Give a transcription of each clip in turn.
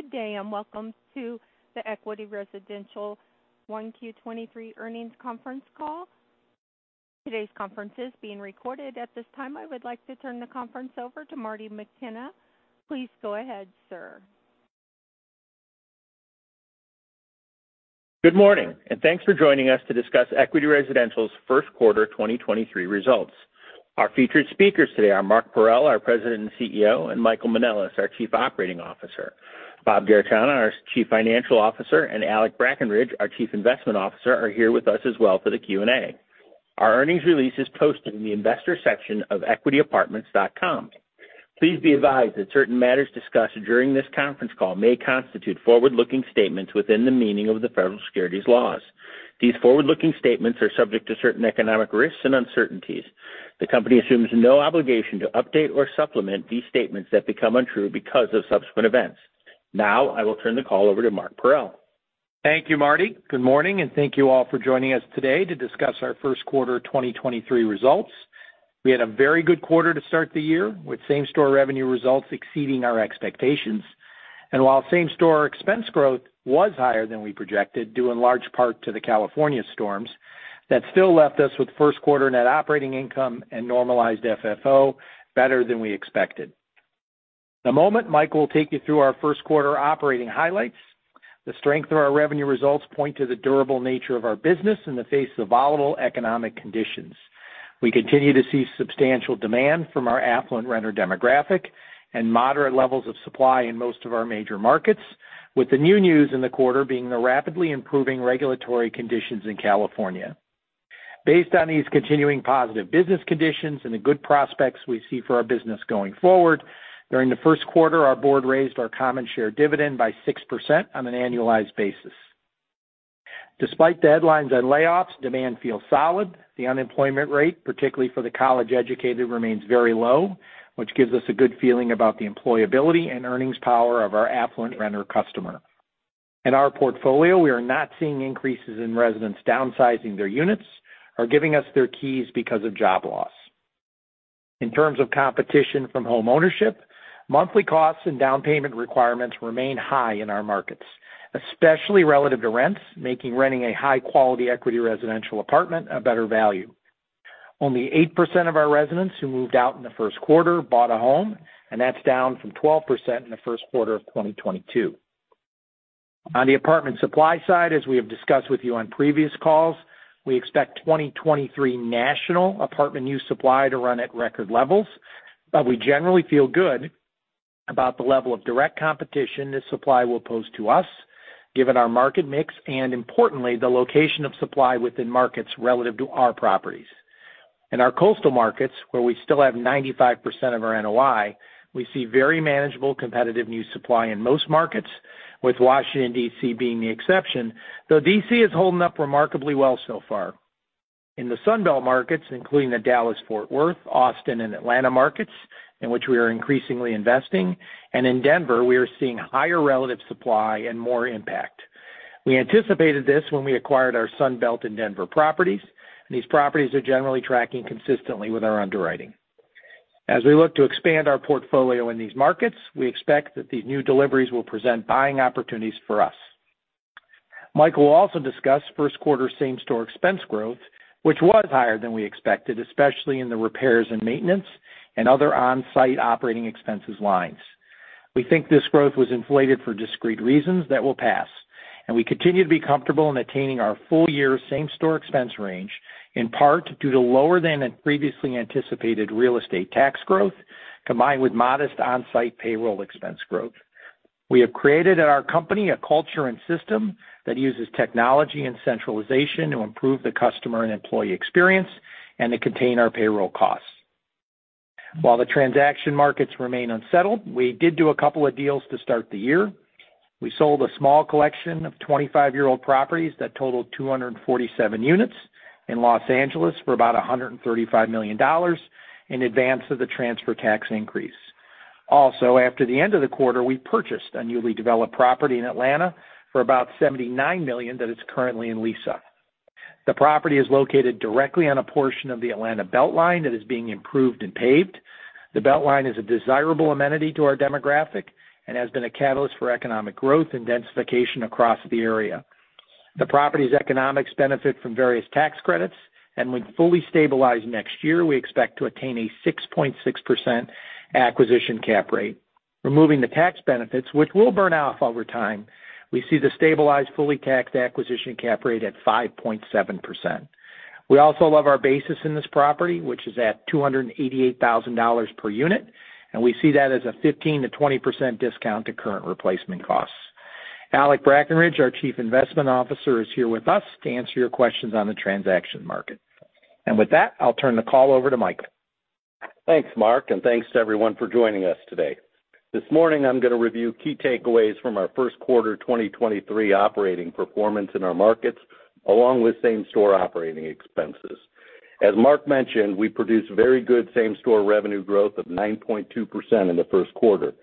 Good day, and welcome to the Equity Residential one Q 2023 earnings conference call. Today's conference is being recorded at this time. I would like to turn the conference over to Marty McKenna. Please go ahead, sir. Good morning, thanks for joining us to discuss Equity Residential's first quarter 2023 results. Our featured speakers today are Mark Parrell, our President and CEO, and Michael Manelis, our Chief Operating Officer. Bob Garechana, our Chief Financial Officer, and Alec Brackenridge, our Chief Investment Officer, are here with us as well for the Q&A. Our earnings release is posted in the investors section of equityapartments.com. Please be advised that certain matters discussed during this conference call may constitute forward-looking statements within the meaning of the Federal Securities laws. These forward-looking statements are subject to certain economic risks and uncertainties. The company assumes no obligation to update or supplement these statements that become untrue because of subsequent events. Now I will turn the call over to Mark Parrell. Thank you, Marty. Good morning, and thank you all for joining us today to discuss our first quarter 2023 results. We had a very good quarter to start the year, with same-store revenue results exceeding our expectations. While same-store expense growth was higher than we projected, due in large part to the California storms, that still left us with first quarter net operating income and normalized FFO better than we expected. In a moment, Mike will take you through our first quarter operating highlights. The strength of our revenue results point to the durable nature of our business in the face of volatile economic conditions. We continue to see substantial demand from our affluent renter demographic and moderate levels of supply in most of our major markets, with the new news in the quarter being the rapidly improving regulatory conditions in California. Based on these continuing positive business conditions and the good prospects we see for our business going forward, during the first quarter, our board raised our common share dividend by 6% on an annualized basis. Despite the headlines on layoffs, demand feels solid. The unemployment rate, particularly for the college-educated, remains very low, which gives us a good feeling about the employability and earnings power of our affluent renter customer. In our portfolio, we are not seeing increases in residents downsizing their units or giving us their keys because of job loss. In terms of competition from homeownership, monthly costs and down payment requirements remain high in our markets, especially relative to rents, making renting a high-quality Equity Residential apartment a better value. Only 8% of our residents who moved out in the first quarter bought a home. That's down from 12% in the first quarter of 2022. On the apartment supply side, as we have discussed with you on previous calls, we expect 2023 national apartment new supply to run at record levels. We generally feel good about the level of direct competition this supply will pose to us, given our market mix and importantly, the location of supply within markets relative to our properties. In our coastal markets, where we still have 95% of our NOI, we see very manageable competitive new supply in most markets, with Washington, D.C. being the exception, though D.C. is holding up remarkably well so far. In the Sun Belt markets, including the Dallas-Fort Worth, Austin, and Atlanta markets, in which we are increasingly investing, and in Denver, we are seeing higher relative supply and more impact. We anticipated this when we acquired our Sun Belt and Denver properties. These properties are generally tracking consistently with our underwriting. As we look to expand our portfolio in these markets, we expect that these new deliveries will present buying opportunities for us. Mike will also discuss first quarter same-store expense growth, which was higher than we expected, especially in the repairs and maintenance and other on-site operating expenses lines. We think this growth was inflated for discrete reasons that will pass, and we continue to be comfortable in attaining our full-year same-store expense range, in part due to lower than previously anticipated real estate tax growth, combined with modest on-site payroll expense growth. We have created at our company a culture and system that uses technology and centralization to improve the customer and employee experience and to contain our payroll costs. While the transaction markets remain unsettled, we did do a couple of deals to start the year. We sold a small collection of 25-year-old properties that totaled 247 units in L.A. for about $135 million in advance of the transfer tax increase. After the end of the quarter, we purchased a newly developed property in Atlanta for about $79 million that is currently in lease. The property is located directly on a portion of the Atlanta BeltLine that is being improved and paved. The BeltLine is a desirable amenity to our demographic and has been a catalyst for economic growth and densification across the area. The property's economics benefit from various tax credits, and when fully stabilized next year, we expect to attain a 6.6% acquisition cap rate. Removing the tax benefits, which will burn off over time, we see the stabilized, fully taxed acquisition cap rate at 5.7%. We also love our basis in this property, which is at $288,000 per unit, and we see that as a 15%-20% discount to current replacement costs. Alec Brackenridge, our Chief Investment Officer, is here with us to answer your questions on the transaction market. With that, I'll turn the call over to Mike. Thanks, Mark, thanks to everyone for joining us today. This morning, I'm going to review key takeaways from our first quarter 2023 operating performance in our markets, along with same-store operating expenses. As Mark mentioned, we produced very good same-store revenue growth of 9.2% in the first quarter.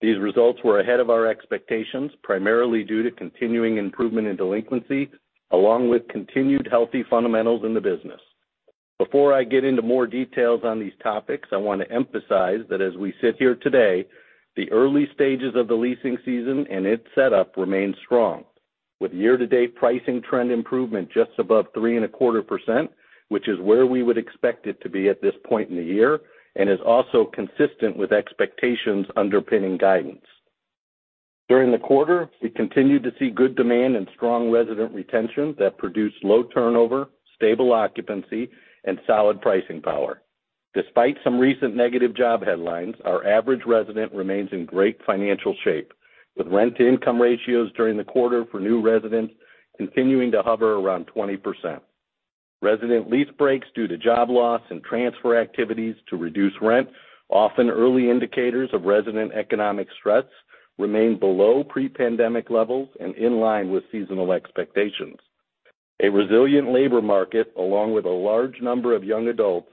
These results were ahead of our expectations, primarily due to continuing improvement in delinquency, along with continued healthy fundamentals in the business. Before I get into more details on these topics, I want to emphasize that as we sit here today, the early stages of the leasing season and its setup remain strong, with year-to-date pricing trend improvement just above 3.25%, which is where we would expect it to be at this point in the year and is also consistent with expectations underpinning guidance. During the quarter, we continued to see good demand and strong resident retention that produced low turnover, stable occupancy, and solid pricing power. Despite some recent negative job headlines, our average resident remains in great financial shape, with rent-to-income ratios during the quarter for new residents continuing to hover around 20%. Resident lease breaks due to job loss and transfer activities to reduce rent, often early indicators of resident economic stress, remain below pre-pandemic levels and in line with seasonal expectations. A resilient labor market, along with a large number of young adults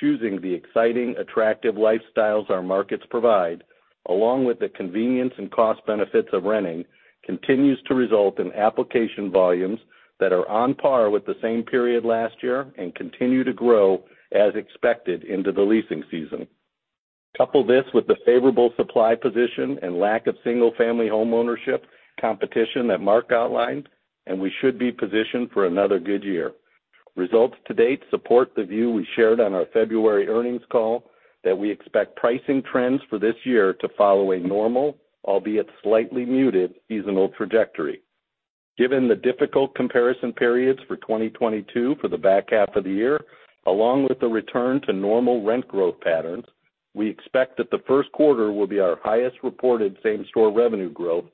choosing the exciting, attractive lifestyles our markets provide, along with the convenience and cost benefits of renting, continues to result in application volumes that are on par with the same period last year and continue to grow as expected into the leasing season. Couple this with the favorable supply position and lack of single-family homeownership competition that Mark outlined, we should be positioned for another good year. Results to date support the view we shared on our February earnings call that we expect pricing trends for this year to follow a normal, albeit slightly muted, seasonal trajectory. Given the difficult comparison periods for 2022 for the back half of the year, along with the return to normal rent growth patterns, we expect that the first quarter will be our highest reported same-store revenue growth,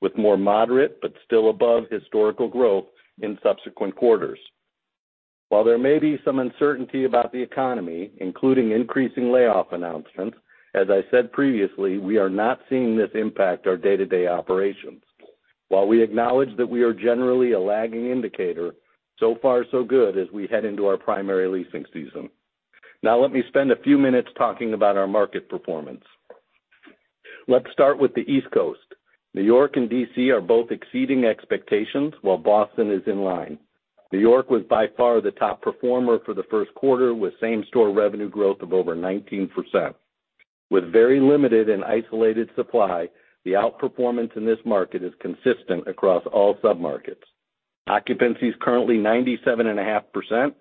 with more moderate but still above historical growth in subsequent quarters. While there may be some uncertainty about the economy, including increasing layoff announcements, as I said previously, we are not seeing this impact our day-to-day operations. While we acknowledge that we are generally a lagging indicator, so far so good as we head into our primary leasing season. Now let me spend a few minutes talking about our market performance. Let's start with the East Coast. New York and D.C. are both exceeding expectations, while Boston is in line. New York was by far the top performer for the first quarter, with same-store revenue growth of over 19%. With very limited and isolated supply, the outperformance in this market is consistent across all submarkets. Occupancy is currently 97.5%.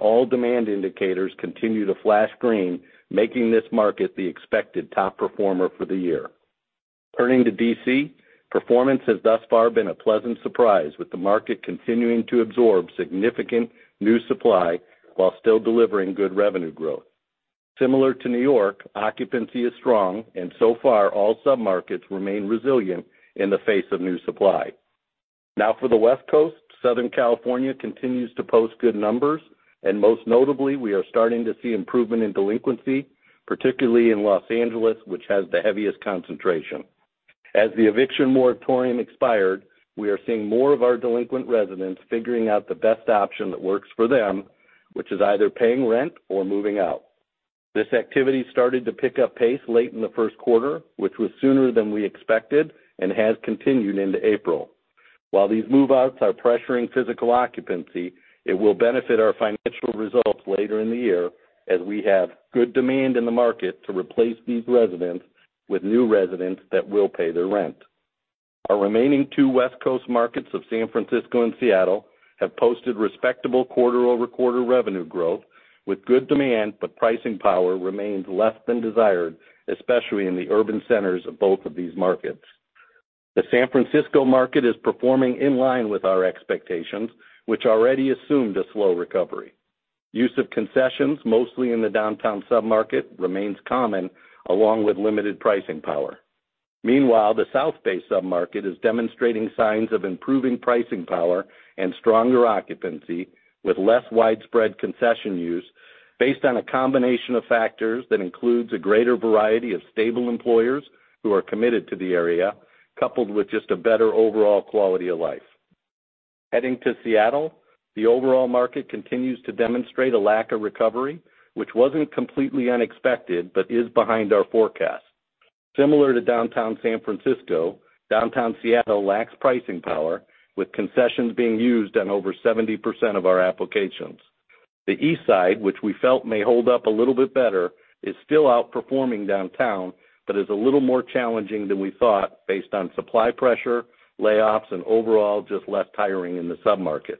All demand indicators continue to flash green, making this market the expected top performer for the year. Turning to D.C., performance has thus far been a pleasant surprise, with the market continuing to absorb significant new supply while still delivering good revenue growth. Similar to New York, occupancy is strong. So far all submarkets remain resilient in the face of new supply. For the West Coast, Southern California continues to post good numbers. Most notably, we are starting to see improvement in delinquency, particularly in Los Angeles, which has the heaviest concentration. As the eviction moratorium expired, we are seeing more of our delinquent residents figuring out the best option that works for them, which is either paying rent or moving out. This activity started to pick up pace late in the first quarter, which was sooner than we expected, and has continued into April. While these move-outs are pressuring physical occupancy, it will benefit our financial results later in the year as we have good demand in the market to replace these residents with new residents that will pay their rent. Our remaining two West Coast markets of San Francisco and Seattle have posted respectable quarter-over-quarter revenue growth with good demand, but pricing power remains less than desired, especially in the urban centers of both of these markets. The San Francisco market is performing in line with our expectations, which already assumed a slow recovery. Use of concessions, mostly in the downtown submarket, remains common, along with limited pricing power. Meanwhile, the South Bay submarket is demonstrating signs of improving pricing power and stronger occupancy with less widespread concession use based on a combination of factors that includes a greater variety of stable employers who are committed to the area, coupled with just a better overall quality of life. Heading to Seattle, the overall market continues to demonstrate a lack of recovery, which wasn't completely unexpected but is behind our forecast. Similar to downtown San Francisco, downtown Seattle lacks pricing power, with concessions being used on over 70% of our applications. The East Side, which we felt may hold up a little bit better, is still outperforming downtown but is a little more challenging than we thought based on supply pressure, layoffs, and overall just less hiring in the submarket.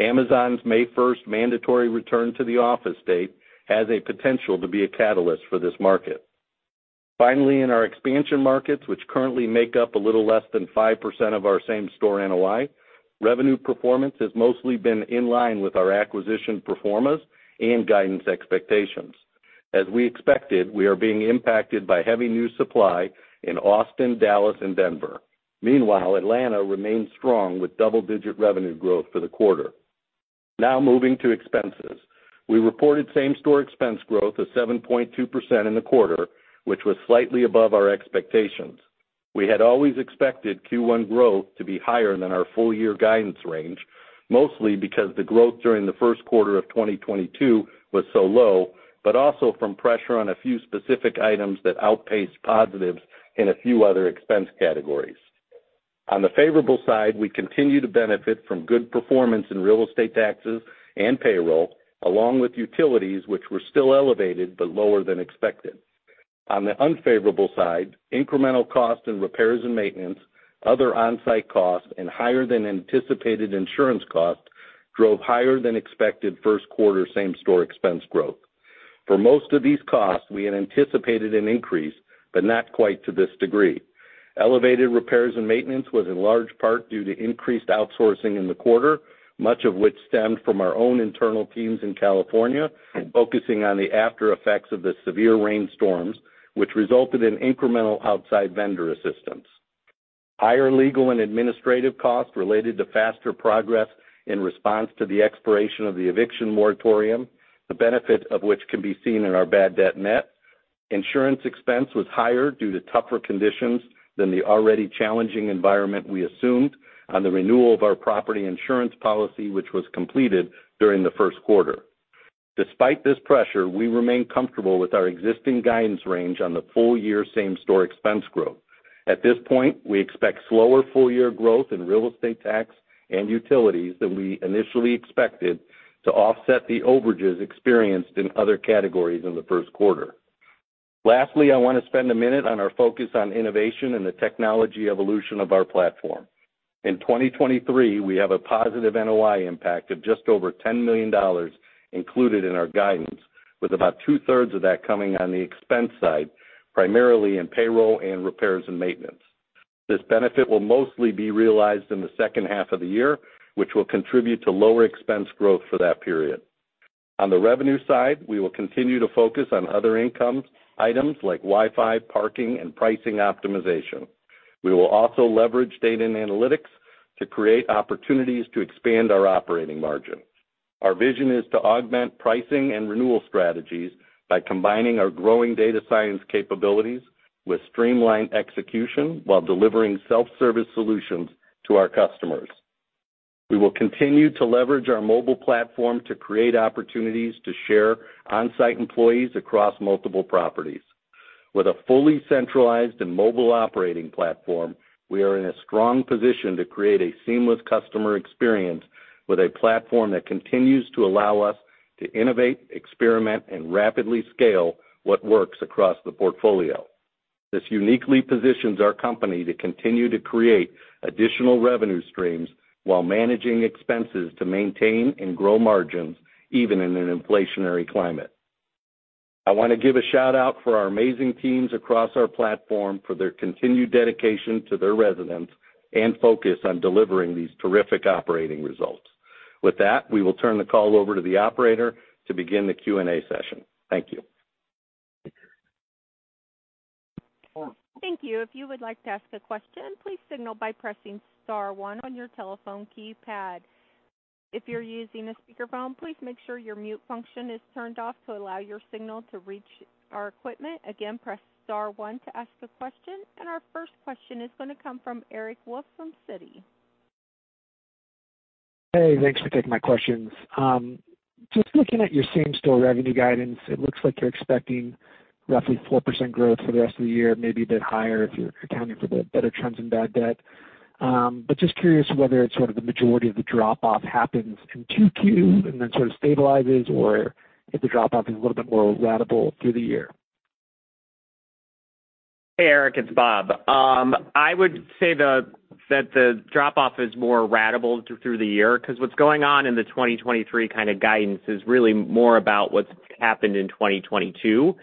Amazon's May 1st mandatory return to the office date has a potential to be a catalyst for this market. Finally, in our expansion markets, which currently make up a little less than 5% of our same-store NOI, revenue performance has mostly been in line with our acquisition performance and guidance expectations. As we expected, we are being impacted by heavy new supply in Austin, Dallas, and Denver. Atlanta remains strong with double-digit revenue growth for the quarter. Moving to expenses. We reported same-store expense growth of 7.2% in the quarter, which was slightly above our expectations. We had always expected Q1 growth to be higher than our full-year guidance range, mostly because the growth during the first quarter of 2022 was so low, but also from pressure on a few specific items that outpaced positives in a few other expense categories. On the favorable side, we continue to benefit from good performance in real estate taxes and payroll, along with utilities, which were still elevated but lower than expected. On the unfavorable side, incremental cost and repairs and maintenance, other on-site costs, and higher than anticipated insurance costs drove higher than expected first quarter same-store expense growth. For most of these costs, we had anticipated an increase, but not quite to this degree. Elevated repairs and maintenance was in large part due to increased outsourcing in the quarter, much of which stemmed from our own internal teams in California, focusing on the after effects of the severe rainstorms, which resulted in incremental outside vendor assistance. Higher legal and administrative costs related to faster progress in response to the expiration of the eviction moratorium, the benefit of which can be seen in our bad debt net. Insurance expense was higher due to tougher conditions than the already challenging environment we assumed on the renewal of our property insurance policy, which was completed during the first quarter. Despite this pressure, we remain comfortable with our existing guidance range on the full-year same-store expense growth. At this point, we expect slower full-year growth in real estate tax and utilities than we initially expected to offset the overages experienced in other categories in the first quarter. Lastly, I want to spend a minute on our focus on innovation and the technology evolution of our platform. In 2023, we have a positive NOI impact of just over $10 million included in our guidance, with about two-thirds of that coming on the expense side, primarily in payroll and repairs and maintenance. This benefit will mostly be realized in the second half of the year, which will contribute to lower expense growth for that period. On the revenue side, we will continue to focus on other income items like Wi-Fi, parking, and pricing optimization. We will also leverage data and analytics to create opportunities to expand our operating margin. Our vision is to augment pricing and renewal strategies by combining our growing data science capabilities with streamlined execution while delivering self-service solutions to our customers. We will continue to leverage our mobile platform to create opportunities to share on-site employees across multiple properties. With a fully centralized and mobile operating platform, we are in a strong position to create a seamless customer experience with a platform that continues to allow us to innovate, experiment, and rapidly scale what works across the portfolio. This uniquely positions our company to continue to create additional revenue streams while managing expenses to maintain and grow margins, even in an inflationary climate. I wanna give a shout-out for our amazing teams across our platform for their continued dedication to their residents and focus on delivering these terrific operating results. With that, we will turn the call over to the operator to begin the Q&A session. Thank you. Thank you. If you would like to ask a question, please signal by pressing star one on your telephone keypad. If you're using a speakerphone, please make sure your mute function is turned off to allow your signal to reach our equipment. Again, press star one to ask a question. Our first question is gonna come from Eric Wolfe from Citi. Hey, thanks for taking my questions. Just looking at your same-store revenue guidance, it looks like you're expecting roughly 4% growth for the rest of the year, maybe a bit higher if you're accounting for the better trends in bad debt. Just curious whether it's sort of the majority of the drop off happens in 2Q, and then sort of stabilizes, or if the drop off is a little bit more ratable through the year. Hey, Eric, it's Bob. I would say that the drop off is more ratable through the year, 'cause what's going on in the 2023 kind of guidance is really more about what's happened in 2022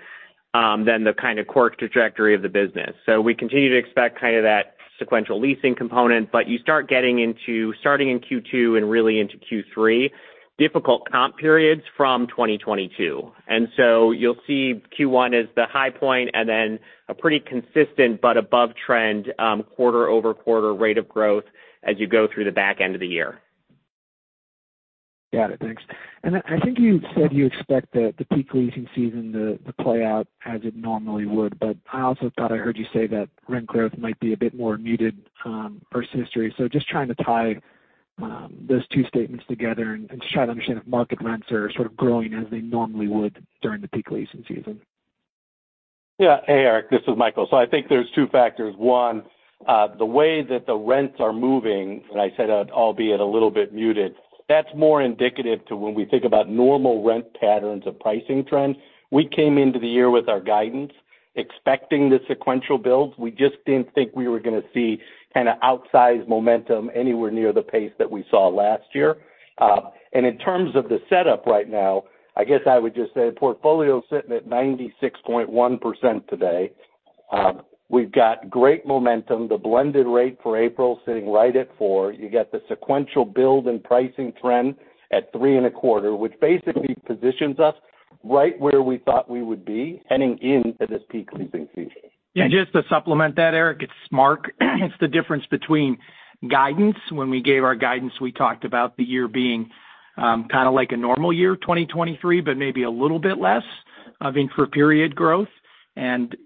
than the kind of core trajectory of the business. We continue to expect kind of that sequential leasing component, but you start getting into, starting in Q2 and really into Q3, difficult comp periods from 2022. You'll see Q1 as the high point and then a pretty consistent but above trend, quarter-over-quarter rate of growth as you go through the back end of the year. Got it. Thanks. I think you said you expect the peak leasing season to play out as it normally would, I also thought I heard you say that rent growth might be a bit more muted versus history. Just trying to tie those two statements together and just try to understand if market rents are sort of growing as they normally would during the peak leasing season. Yeah. Hey, Eric, this is Michael. I think there's two factors. One, the way that the rents are moving, and I said that albeit a little bit muted, that's more indicative to when we think about normal rent patterns of pricing trends. We came into the year with our guidance expecting the sequential builds. We just didn't think we were gonna see kinda outsized momentum anywhere near the pace that we saw last year. In terms of the setup right now, I guess I would just say the portfolio's sitting at 96.1% today. We've got great momentum. The Blended Rate for April sitting right at four. You got the sequential build and pricing trend at 3.25%, which basically positions us right where we thought we would be heading into this peak leasing season. Yeah. Just to supplement that, Eric, it's Mark. It's the difference between guidance. When we gave our guidance, we talked about the year being, kinda like a normal year, 2023, but maybe a little bit less, I mean, for period growth.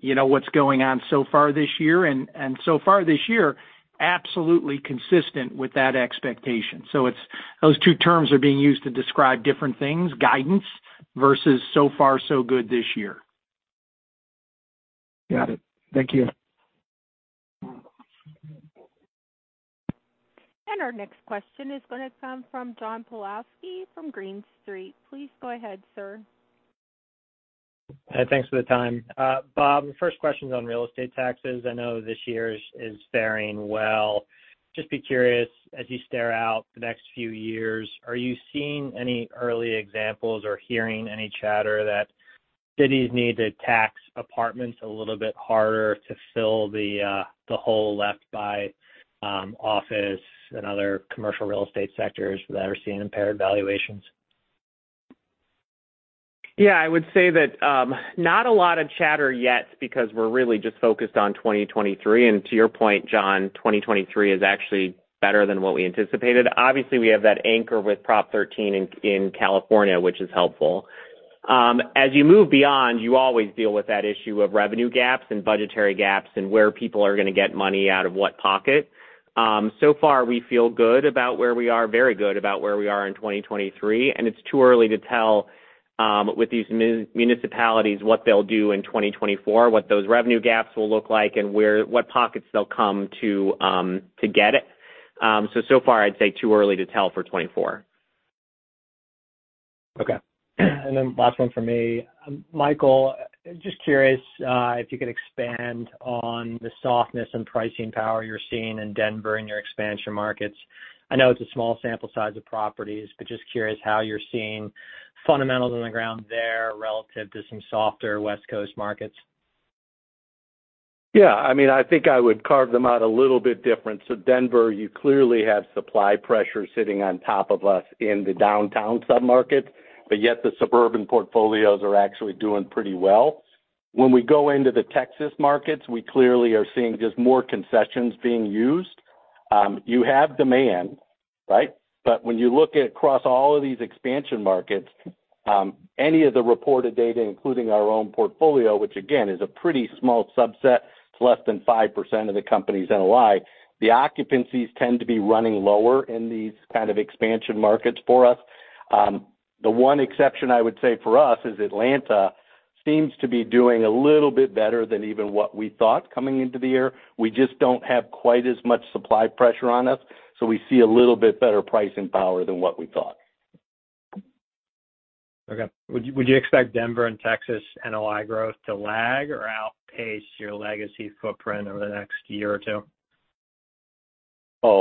You know, what's going on so far this year and so far this year, absolutely consistent with that expectation. It's those two terms are being used to describe different things, guidance versus so far so good this year. Got it. Thank you. Our next question is going to come from John Pawlowski from Green Street. Please go ahead, sir. Thanks for the time. Bob, first question's on real estate taxes. I know this year is faring well. Just be curious, as you stare out the next few years, are you seeing any early examples or hearing any chatter that cities need to tax apartments a little bit harder to fill the hole left by office and other commercial real estate sectors that are seeing impaired valuations? Yeah, I would say that not a lot of chatter yet because we're really just focused on 2023. To your point, John, 2023 is actually better than what we anticipated. Obviously, we have that anchor with Prop 13 in California, which is helpful. As you move beyond, you always deal with that issue of revenue gaps and budgetary gaps and where people are gonna get money out of what pocket. So far, we feel good about where we are, very good about where we are in 2023, and it's too early to tell with these municipalities what they'll do in 2024, what those revenue gaps will look like and where what pockets they'll come to get it. So far, I'd say too early to tell for 2024. Okay. Last one for me. Michael, just curious, if you could expand on the softness and pricing power you're seeing in Denver in your expansion markets? I know it's a small sample size of properties, but just curious how you're seeing fundamentals on the ground there relative to some softer West Coast markets? I mean, I think I would carve them out a little bit different. Denver, you clearly have supply pressure sitting on top of us in the downtown sub-market, yet the suburban portfolios are actually doing pretty well. When we go into the Texas markets, we clearly are seeing just more concessions being used. You have demand, right? When you look at across all of these expansion markets, any of the reported data, including our own portfolio, which again is a pretty small subset, it's less than 5% of the company's NOI, the occupancies tend to be running lower in these kind of expansion markets for us. The one exception I would say for us is Atlanta seems to be doing a little bit better than even what we thought coming into the year. We just don't have quite as much supply pressure on us, so we see a little bit better pricing power than what we thought. Okay. Would you expect Denver and Texas NOI growth to lag or outpace your legacy footprint over the next year or two?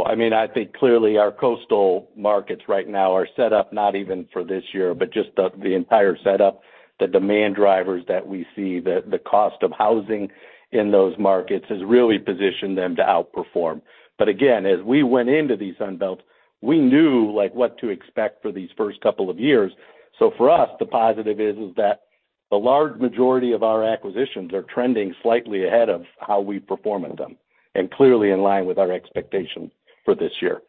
I mean, I think clearly our coastal markets right now are set up not even for this year, but just the entire setup, the demand drivers that we see, the cost of housing in those markets has really positioned them to outperform. Again, as we went into these sun belts, we knew, like, what to expect for these first couple of years. For us, the positive is that the large majority of our acquisitions are trending slightly ahead of how we perform at them and clearly in line with our expectation for this year.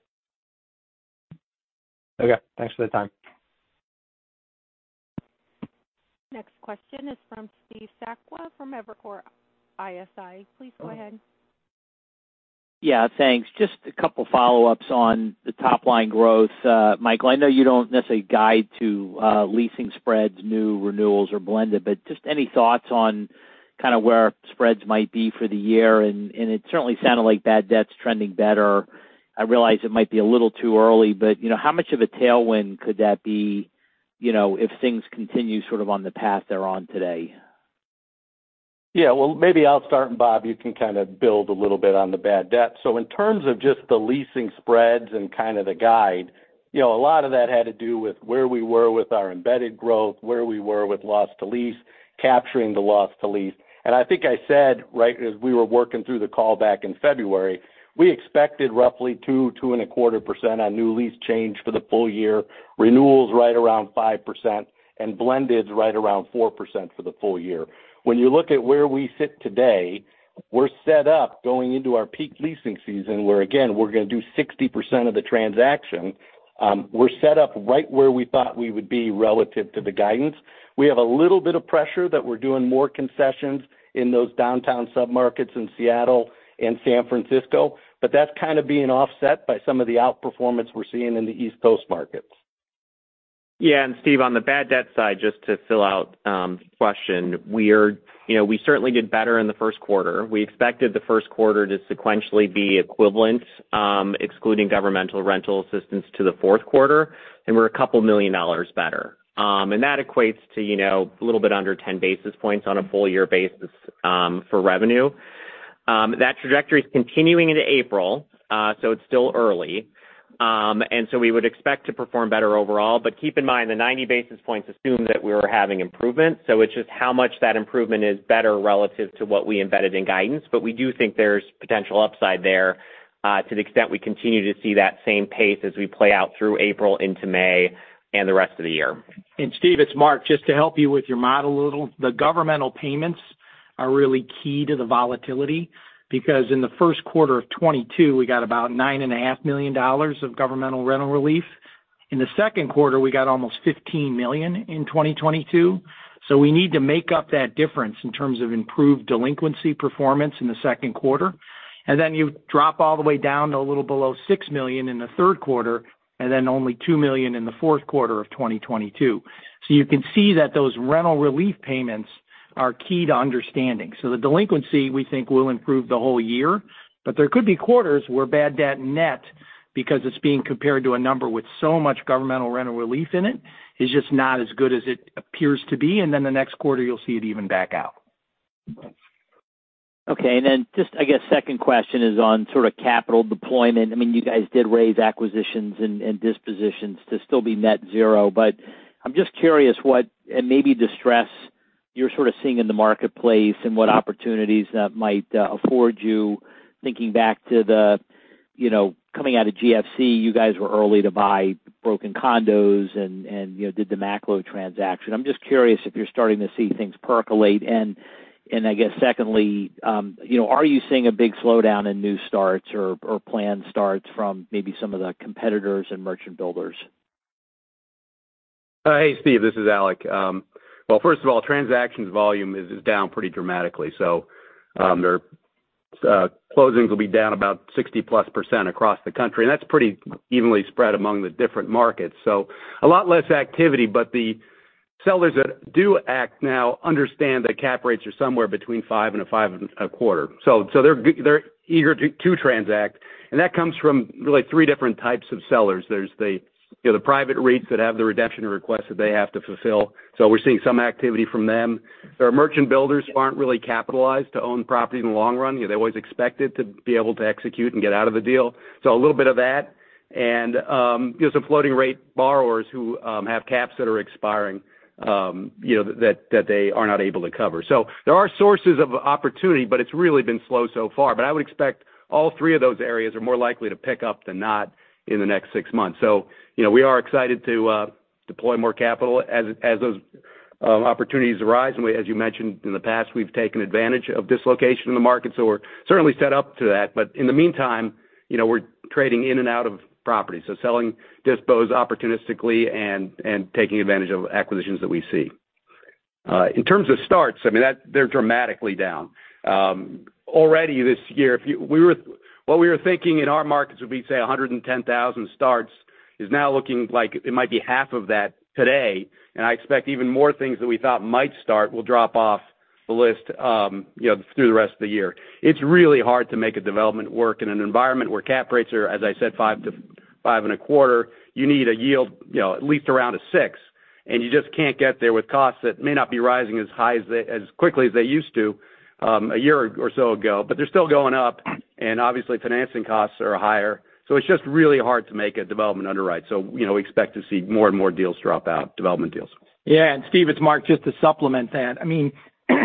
Okay. Thanks for the time. Next question is from Steve Sakwa from Evercore ISI. Please go ahead. Yeah, thanks. Just a couple follow-ups on the top line growth. Michael, I know you don't necessarily guide to leasing spreads, new renewals or Blended, but just any thoughts on kind of where spreads might be for the year? It certainly sounded like bad debt's trending better. I realize it might be a little too early, but, you know, how much of a tailwind could that be, you know, if things continue sort of on the path they're on today? Yeah. Well, maybe I'll start, Bob, you can kind of build a little bit on the bad debt. In terms of just the leasing spreads and kind of the guide, you know, a lot of that had to do with where we were with our embedded growth, where we were with loss to lease, capturing the loss to lease. I think I said, right as we were working through the call back in February, we expected roughly 2.25% on new lease change for the full-year, renewals right around 5%, and blended right around 4% for the full-year. When you look at where we sit today, we're set up going into our peak leasing season, where again, we're gonna do 60% of the transaction. We're set up right where we thought we would be relative to the guidance. We have a little bit of pressure that we're doing more concessions in those downtown sub-markets in Seattle and San Francisco. That's kind of being offset by some of the outperformance we're seeing in the East Coast markets. Yeah. Steve, on the bad debt side, just to fill out the question, you know, we certainly did better in the first quarter. We expected the first quarter to sequentially be equivalent, excluding governmental rental assistance to the fourth quarter, and we're a couple million dollars better. That equates to, you know, a little bit under 10 basis points on a full year basis, for revenue. That trajectory is continuing into April, so it's still early. So we would expect to perform better overall, but keep in mind, the 90 basis points assume that we're having improvement, so it's just how much that improvement is better relative to what we embedded in guidance. We do think there's potential upside there, to the extent we continue to see that same pace as we play out through April into May and the rest of the year. Steve, it's Mark. Just to help you with your model a little, the governmental payments are really key to the volatility because in the first quarter of 2022, we got about $9.5 million of governmental rental relief. In the second quarter, we got almost $15 million in 2022. We need to make up that difference in terms of improved delinquency performance in the second quarter. You drop all the way down to a little below $6 million in the third quarter, and then only $2 million in the fourth quarter of 2022. You can see that those rental relief payments are key to understanding. The delinquency, we think, will improve the whole year, but there could be quarters where bad debt net because it's being compared to a number with so much governmental rental relief in it, is just not as good as it appears to be. The next quarter you'll see it even back out. Okay. Just I guess second question is on sort of capital deployment. I mean, you guys did raise acquisitions and dispositions to still be net zero. I'm just curious what and maybe distress you're sort of seeing in the marketplace and what opportunities that might afford you. Thinking back to the, you know, coming out of GFC, you guys were early to buy broken condos and, you know, did the Macklowe transaction. I'm just curious if you're starting to see things percolate. I guess secondly, you know, are you seeing a big slowdown in new starts or planned starts from maybe some of the competitors and merchant builders? Hey, Steve, this is Alec. Well, first offiveall, transactions volume is down pretty dramatically. Their closings will be down about 60+% across the country, and that's pretty evenly spread among the different markets. A lot less activity. The sellers that do act now understand that cap rates are somewhere between 5% and a 5.25%. They're eager to transact. That comes from really three different types of sellers. There's the, you know, the private REITs that have the redemption requests that they have to fulfill. We're seeing some activity from them. There are merchant builders who aren't really capitalized to own property in the long run. You know, they always expect it to be able to execute and get out of the deal. A little bit of that. You know, some floating rate borrowers who have caps that are expiring, you know, that they are not able to cover. There are sources of opportunity, but it's really been slow so far. I would expect all three of those areas are more likely to pick up than not in the next six months. You know, we are excited to deploy more capital as those opportunities arise. As you mentioned in the past, we've taken advantage of dislocation in the market, so we're certainly set up to that. In the meantime, you know, we're trading in and out of properties. Selling dispos opportunistically and taking advantage of acquisitions that we see. In terms of starts, I mean, they're dramatically down. Already this year, what we were thinking in our markets would be, say, 110,000 starts is now looking like it might be half of that today. I expect even more things that we thought might start will drop off the list, you know, through the rest of the year. It's really hard to make a development work in an environment where cap rates are, as I said, 5%-5.25%. You need a yield, you know, at least around 6%, and you just can't get there with costs that may not be rising as quickly as they used to, a year or so ago. They're still going up, and obviously financing costs are higher. It's just really hard to make a development underwrite. You know, we expect to see more and more deals drop out, development deals. Yeah. Steve, it's Mark, just to supplement that. I mean,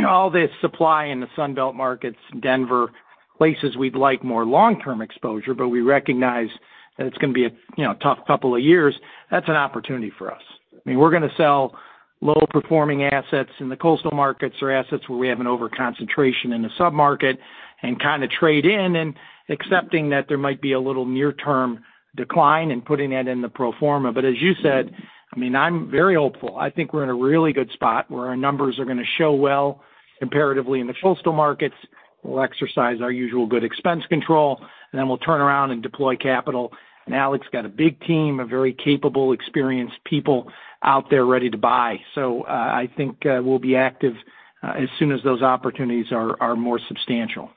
all this supply in the Sun Belt markets, Denver, places we'd like more long-term exposure, but we recognize that it's gonna be a, you know, tough couple of years. That's an opportunity for us. I mean, we're gonna sell low-performing assets in the coastal markets or assets where we have an over-concentration in the sub-market and kind of trade in and accepting that there might be a little near-term decline in putting that in the pro forma. As you said, I mean, I'm very hopeful. I think we're in a really good spot where our numbers are gonna show well imperatively in the coastal markets. We'll exercise our usual good expense control, then we'll turn around and deploy capital. Alec's got a big team of very capable, experienced people out there ready to buy. I think, we'll be active, as soon as those opportunities are more substantial.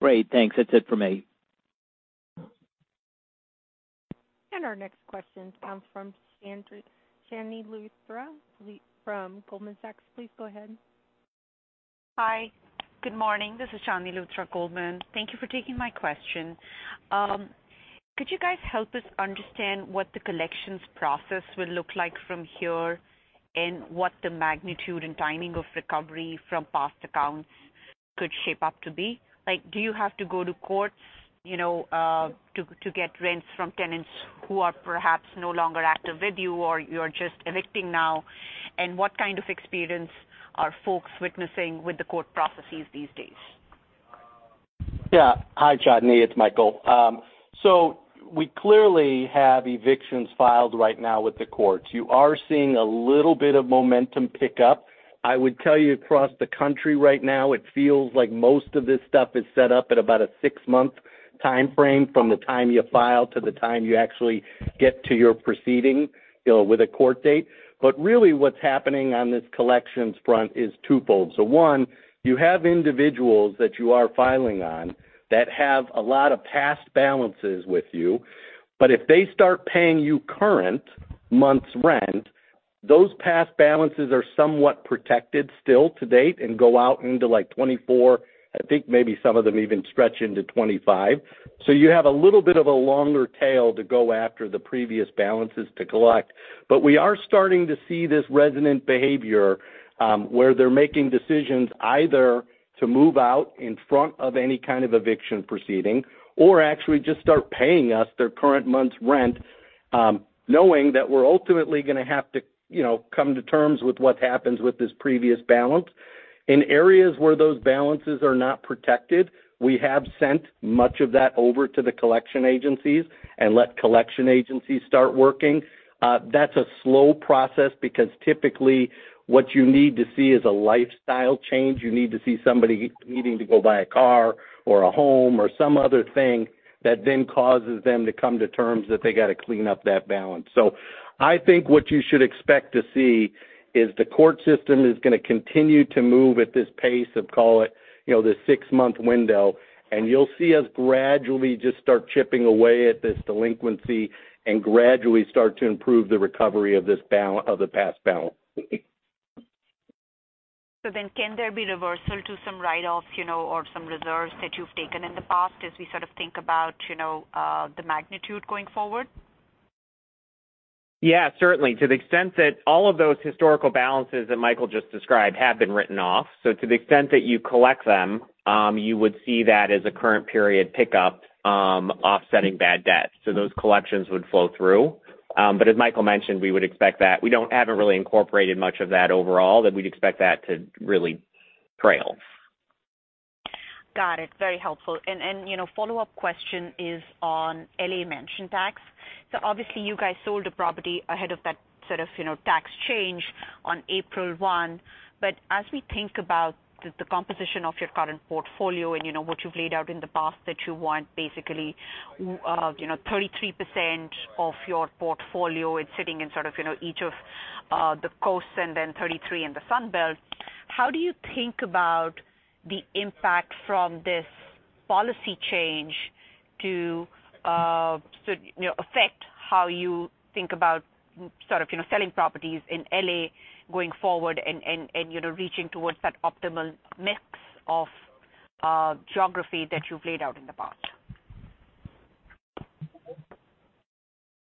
Great. Thanks. That's it for me. Our next question comes from Chandni Luthra from Goldman Sachs. Please go ahead. Hi. Good morning. This is Chandni Luthra, Goldman. Thank you for taking my question. Could you guys help us understand what the collections process will look like from here and what the magnitude and timing of recovery from past accounts could shape up to be? Like, do you have to go to courts, you know, to get rents from tenants who are perhaps no longer active with you or you're just evicting now? What kind of experience are folks witnessing with the court processes these days? Hi, Chandni, it's Michael. We clearly have evictions filed right now with the courts. You are seeing a little bit of momentum pick up. I would tell you across the country right now it feels like most of this stuff is set up at about six-month timeframe from the time you file to the time you actually get to your proceeding, you know, with a court date. Really what's happening on this collections front is twofold. One, you have individuals that you are filing on that have a lot of past balances with you, but if they start paying you current month's rent, those past balances are somewhat protected still to date and go out into 2024. I think maybe some of them even stretch into 2025. You have a little bit of a longer tail to go after the previous balances to collect. We are starting to see this resonant behavior, where they're making decisions either to move out in front of any kind of eviction proceeding or actually just start paying us their current month's rent, knowing that we're ultimately gonna have to, you know, come to terms with what happens with this previous balance. In areas where those balances are not protected, we have sent much of that over to the collection agencies and let collection agencies start working. That's a slow process because typically what you need to see is a lifestyle change. You need to see somebody needing to go buy a car or a home or some other thing that then causes them to come to terms that they gotta clean up that balance. I think what you should expect to see is the court system is gonna continue to move at this pace of call it, you know, the six-month window, and you'll see us gradually just start chipping away at this delinquency and gradually start to improve the recovery of this of the past balance. Can there be reversal to some write-offs, you know, or some reserves that you've taken in the past as we sort of think about, you know, the magnitude going forward? Yeah, certainly. To the extent that all of those historical balances that Michael just described have been written off. To the extent that you collect them, you would see that as a current period pickup, offsetting bad debt. Those collections would flow through. As Michael mentioned, we would expect that We haven't really incorporated much of that overall, that we'd expect that to really trail. Got it. Very helpful. You know, follow-up question is on L.A. mansion tax. Obviously, you guys sold a property ahead of that sort of, you know, tax change on April 1. As we think about the composition of your current portfolio and you know, what you've laid out in the past that you want basically, you know, 33% of your portfolio is sitting in sort of, you know, each of the coasts and then 33 in the Sun Belt, how do you think about the impact from this policy change to, so, you know, affect how you think about sort of, you know, selling properties in L.A. going forward and, you know, reaching towards that optimal mix of geography that you've laid out in the past?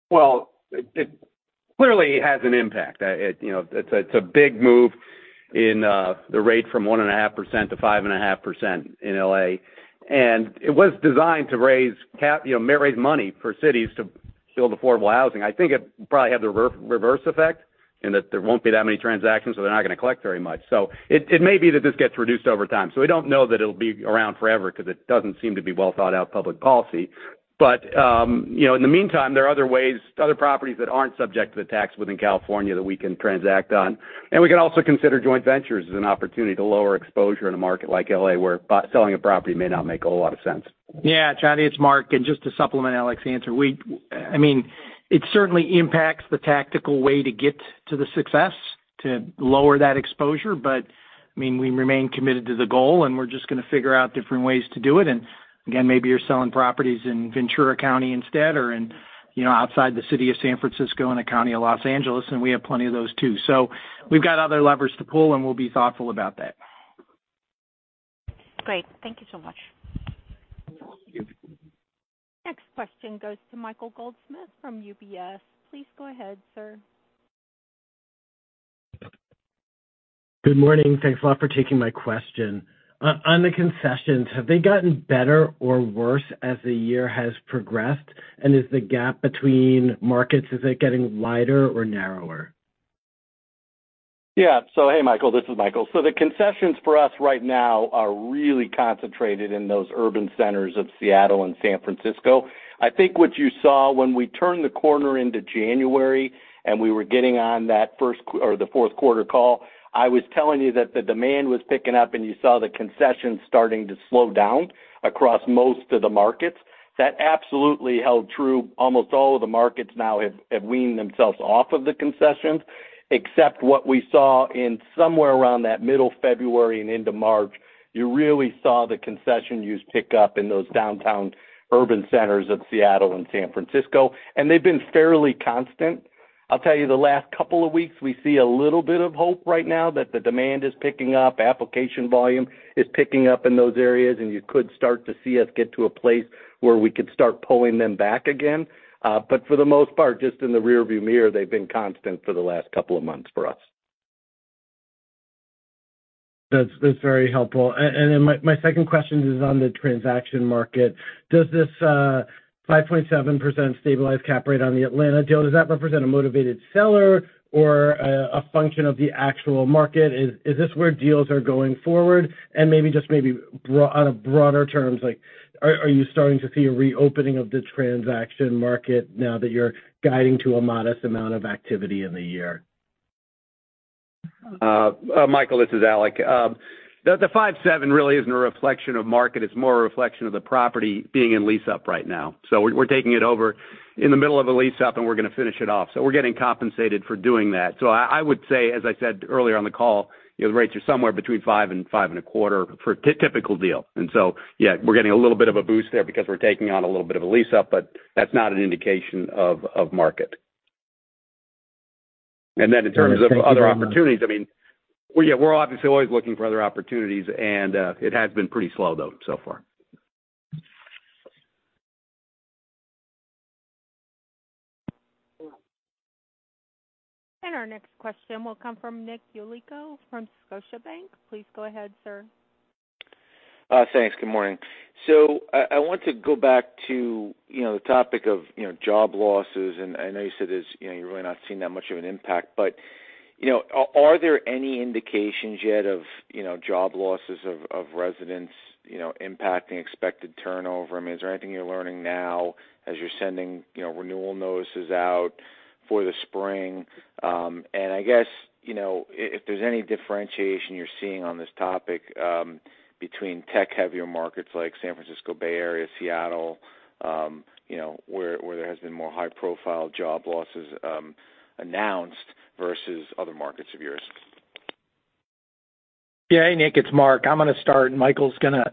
Well, it clearly has an impact. It, you know, it's a, it's a big move in the rate from 1.5%-5.5% in L.A. It was designed to raise, you know, may raise money for cities to build affordable housing. I think it probably had the reverse effect in that there won't be that many transactions, so they're not gonna collect very much. It may be that this gets reduced over time. We don't know that it'll be around forever 'cause it doesn't seem to be well thought out public policy. You know, in the meantime, there are other ways, other properties that aren't subject to the tax within California that we can transact on. We can also consider joint ventures as an opportunity to lower exposure in a market like L.A., where selling a property may not make a lot of sense. Yeah, Chandni, it's Mark. Just to supplement Alec's answer, we, I mean, it certainly impacts the tactical way to get to the success to lower that exposure. I mean, we remain committed to the goal, and we're just gonna figure out different ways to do it. Again, maybe you're selling properties in Ventura County instead or in, you know, outside the city of San Francisco, in the county of Los Angeles, and we have plenty of those too. We've got other levers to pull, and we'll be thoughtful about that. Great. Thank you so much. Thank you. Next question goes to Michael Goldsmith from UBS. Please go ahead, sir. Good morning. Thanks a lot for taking my question. On the concessions, have they gotten better or worse as the year has progressed? Is the gap between markets, is it getting wider or narrower? Yeah. Hey, Michael, this is Michael. The concessions for us right now are really concentrated in those urban centers of Seattle and San Francisco. I think what you saw when we turned the corner into January and we were getting on that first or the fourth quarter call, I was telling you that the demand was picking up and you saw the concessions starting to slow down across most of the markets. That absolutely held true. Almost all of the markets now have weaned themselves off of the concessions, except what we saw in somewhere around that middle February and into March. You really saw the concession use pick up in those downtown urban centers of Seattle and San Francisco, and they've been fairly constant. I'll tell you the last couple of weeks, we see a little bit of hope right now that the demand is picking up, application volume is picking up in those areas, and you could start to see us get to a place where we could start pulling them back again. For the most part, just in the rearview mirror, they've been constant for the last couple of months for us. That's very helpful. Then my second question is on the transaction market. Does this 5.7% stabilized cap rate on the Atlanta deal, does that represent a motivated seller or a function of the actual market? Is this where deals are going forward? Maybe, just maybe on a broader terms, like, are you starting to see a reopening of this transaction market now that you're guiding to a modest amount of activity in the year? Michael, this is Alec. The 5.7 really isn't a reflection of market, it's more a reflection of the property being in lease up right now. We're taking it over in the middle of a lease up and we're gonna finish it off. We're getting compensated for doing that. I would say, as I said earlier on the call, you know, the rates are somewhere between 5% and 5.25%for typical deal. Yeah, we're getting a little bit of a boost there because we're taking on a little bit of a lease up, but that's not an indication of market. In terms of other opportunities, I mean, we're obviously always looking for other opportunities and it has been pretty slow though so far. Our next question will come from Nick Yulico from Scotiabank. Please go ahead, sir. Thanks. Good morning. I want to go back to, you know, the topic of, you know, job losses, and I know you said is, you know, you're really not seeing that much of an impact. Are there any indications yet of, you know, job losses of residents, you know, impacting expected turnover? I mean, is there anything you're learning now as you're sending, you know, renewal notices out for the spring? I guess, you know, if there's any differentiation you're seeing on this topic, between tech heavier markets like San Francisco Bay Area, Seattle, you know, where there has been more high profile job losses announced versus other markets of yours. Yeah. Nick, it's Mark. I'm gonna start, and Michael's gonna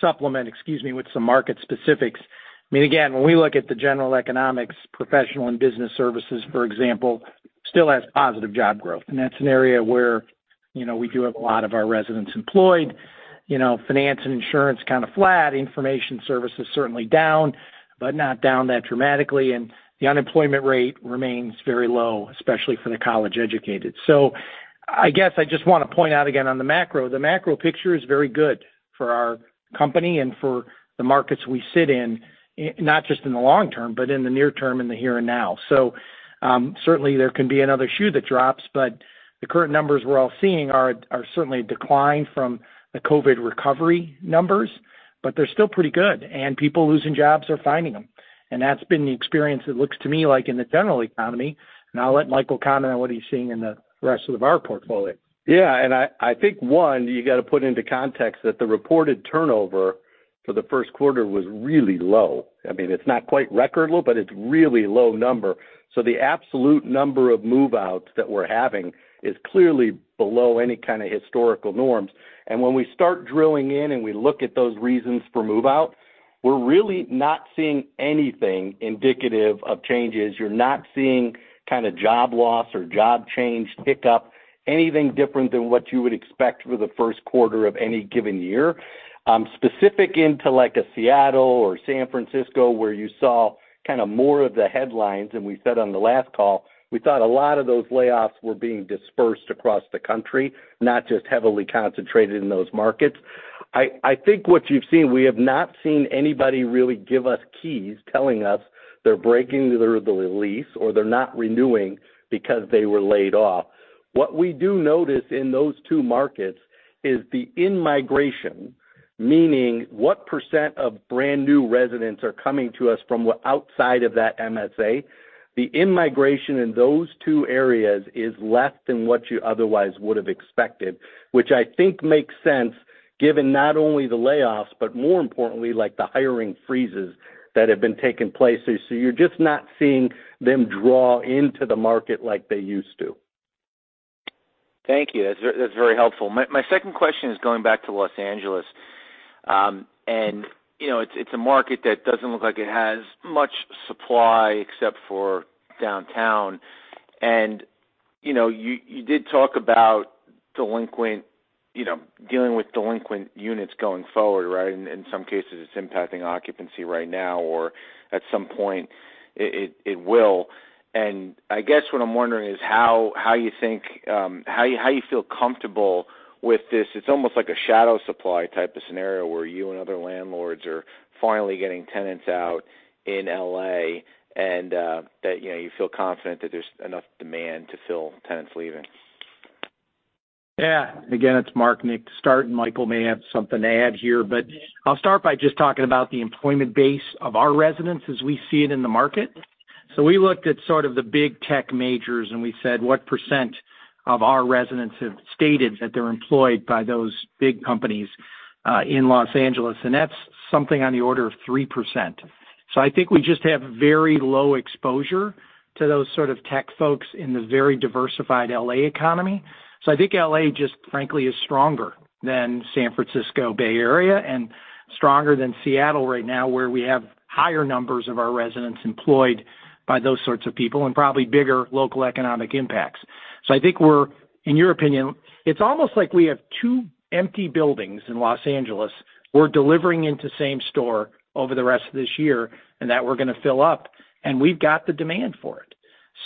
supplement, excuse me, with some market specifics. I mean, again, when we look at the general economics, professional and business services, for example, still has positive job growth. That's an area where, you know, we do have a lot of our residents employed. You know, finance and insurance kind of flat. Information services certainly down, but not down that dramatically. The unemployment rate remains very low, especially for the college-educated. I guess I just wanna point out again on the macro. The macro picture is very good for our company and for the markets we sit in, not just in the long term, but in the near term, in the here and now. Certainly there can be another shoe that drops, but the current numbers we're all seeing are certainly a decline from the COVID recovery numbers, but they're still pretty good, and people losing jobs are finding them. That's been the experience, it looks to me, like in the general economy, and I'll let Michael comment on what he's seeing in the rest of our portfolio. Yeah. I think, one, you gotta put into context that the reported turnover for the first quarter was really low. I mean, it's not quite record low, but it's really low number. The absolute number of move-outs that we're having is clearly below any kind of historical norms. When we start drilling in and we look at those reasons for move-out, we're really not seeing anything indicative of changes. You're not seeing kind of job loss or job change pick up anything different than what you would expect for the first quarter of any given year. Specific into like a Seattle or San Francisco, where you saw kind of more of the headlines, we said on the last call, we thought a lot of those layoffs were being dispersed across the country, not just heavily concentrated in those markets. I think what you've seen, we have not seen anybody really give us keys telling us they're breaking the lease or they're not renewing because they were laid off. What we do notice in those two markets is the in-migration, meaning what percent of brand new residents are coming to us from outside of that MSA. The in-migration in those two areas is less than what you otherwise would have expected, which I think makes sense, given not only the layoffs, but more importantly, like the hiring freezes that have been taking place. You're just not seeing them draw into the market like they used to. Thank you. That's very helpful. My second question is going back to Los Angeles, and you know, it's a market that doesn't look like it has much supply except for downtown. You know, you did talk about, you know, dealing with delinquent units going forward, right? In some cases, it's impacting occupancy right now or at some point it will. I guess what I'm wondering is how you think, how you feel comfortable with this. It's almost like a shadow supply type of scenario where you and other landlords are finally getting tenants out in L.A. and that, you know, you feel confident that there's enough demand to fill tenants leaving. Yeah. Again, it's Mark, Nick, to start. Michael may have something to add here. I'll start by just talking about the employment base of our residents as we see it in the market. We looked at sort of the big tech majors, and we said, "What percent of our residents have stated that they're employed by those big companies in Los Angeles?" That's something on the order of 3%. I think we just have very low exposure to those sort of tech folks in the very diversified L.A. economy. I think L.A. just frankly is stronger than San Francisco Bay Area and stronger than Seattle right now, where we have higher numbers of our residents employed by those sorts of people and probably bigger local economic impacts. I think we're... In your opinion, it's almost like we have two empty buildings in Los Angeles we're delivering into same store over the rest of this year and that we're gonna fill up, and we've got the demand for it.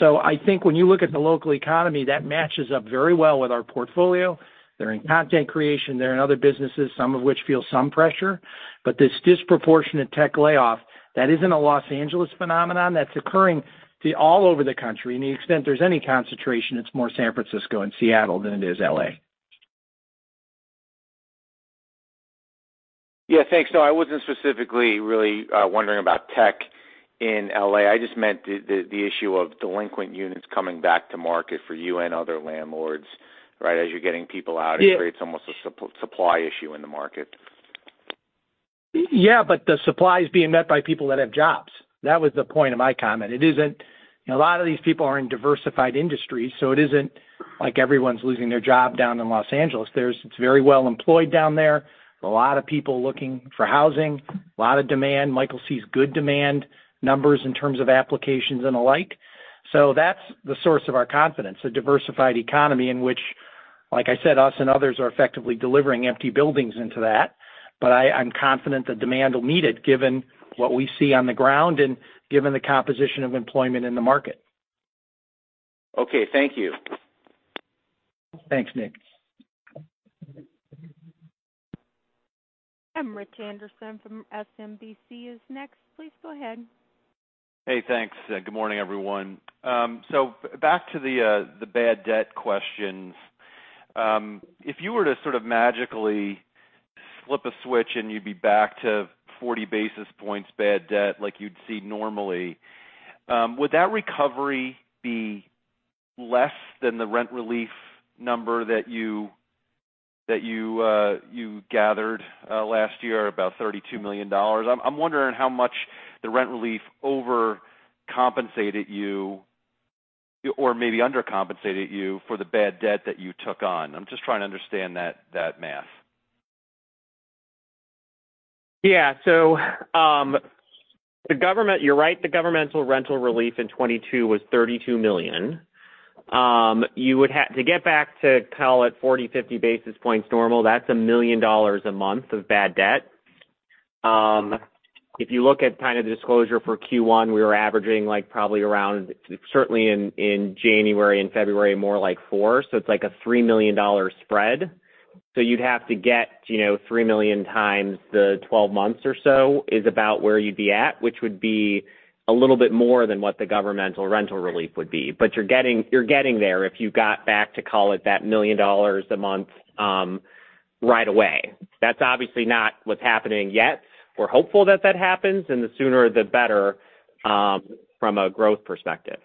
I think when you look at the local economy, that matches up very well with our portfolio. They're in content creation, they're in other businesses, some of which feel some pressure. This disproportionate tech layoff, that isn't a Los Angeles phenomenon. That's occurring all over the country. The extent there's any concentration, it's more San Francisco and Seattle than it is L.A. Thanks. I wasn't specifically really wondering about tech in L.A. I just meant the issue of delinquent units coming back to market for you and other landlords, right? As you're getting people. Yeah. It creates almost a supply issue in the market. Yeah, the supply is being met by people that have jobs. That was the point of my comment. It isn't. A lot of these people are in diversified industries, so it isn't like everyone's losing their job down in Los Angeles. It's very well employed down there. A lot of people looking for housing, a lot of demand. Michael sees good demand numbers in terms of applications and the like. That's the source of our confidence, a diversified economy in which, like I said, us and others are effectively delivering empty buildings into that. I'm confident that demand will meet it, given what we see on the ground and given the composition of employment in the market. Okay, thank you. Thanks, Nick. Rich Anderson from SMBC is next. Please go ahead. Hey, thanks. Good morning, everyone. Back to the bad debt questions. If you were to sort of magically flip a switch and you'd be back to 40 basis points bad debt like you'd see normally, would that recovery be less than the rent relief number that you, that you gathered last year, about $32 million? I'm wondering how much the rent relief overcompensated you or maybe undercompensated you for the bad debt that you took on. I'm just trying to understand that math. You're right. The governmental rental relief in 2022 was $32 million. To get back to call it 40, 50 basis points normal, that's $1 million a month of bad debt. If you look at kind of the disclosure for Q1, we were averaging like probably around, certainly in January and February, more like four. It's like a $3 million spread. You'd have to get, you know, $3 million times the 12 months or so is about where you'd be at, which would be a little bit more than what the governmental rental relief would be. You're getting there if you got back to call it that $1 million a month right away. That's obviously not what's happening yet. We're hopeful that that happens, and the sooner, the better, from a growth perspective.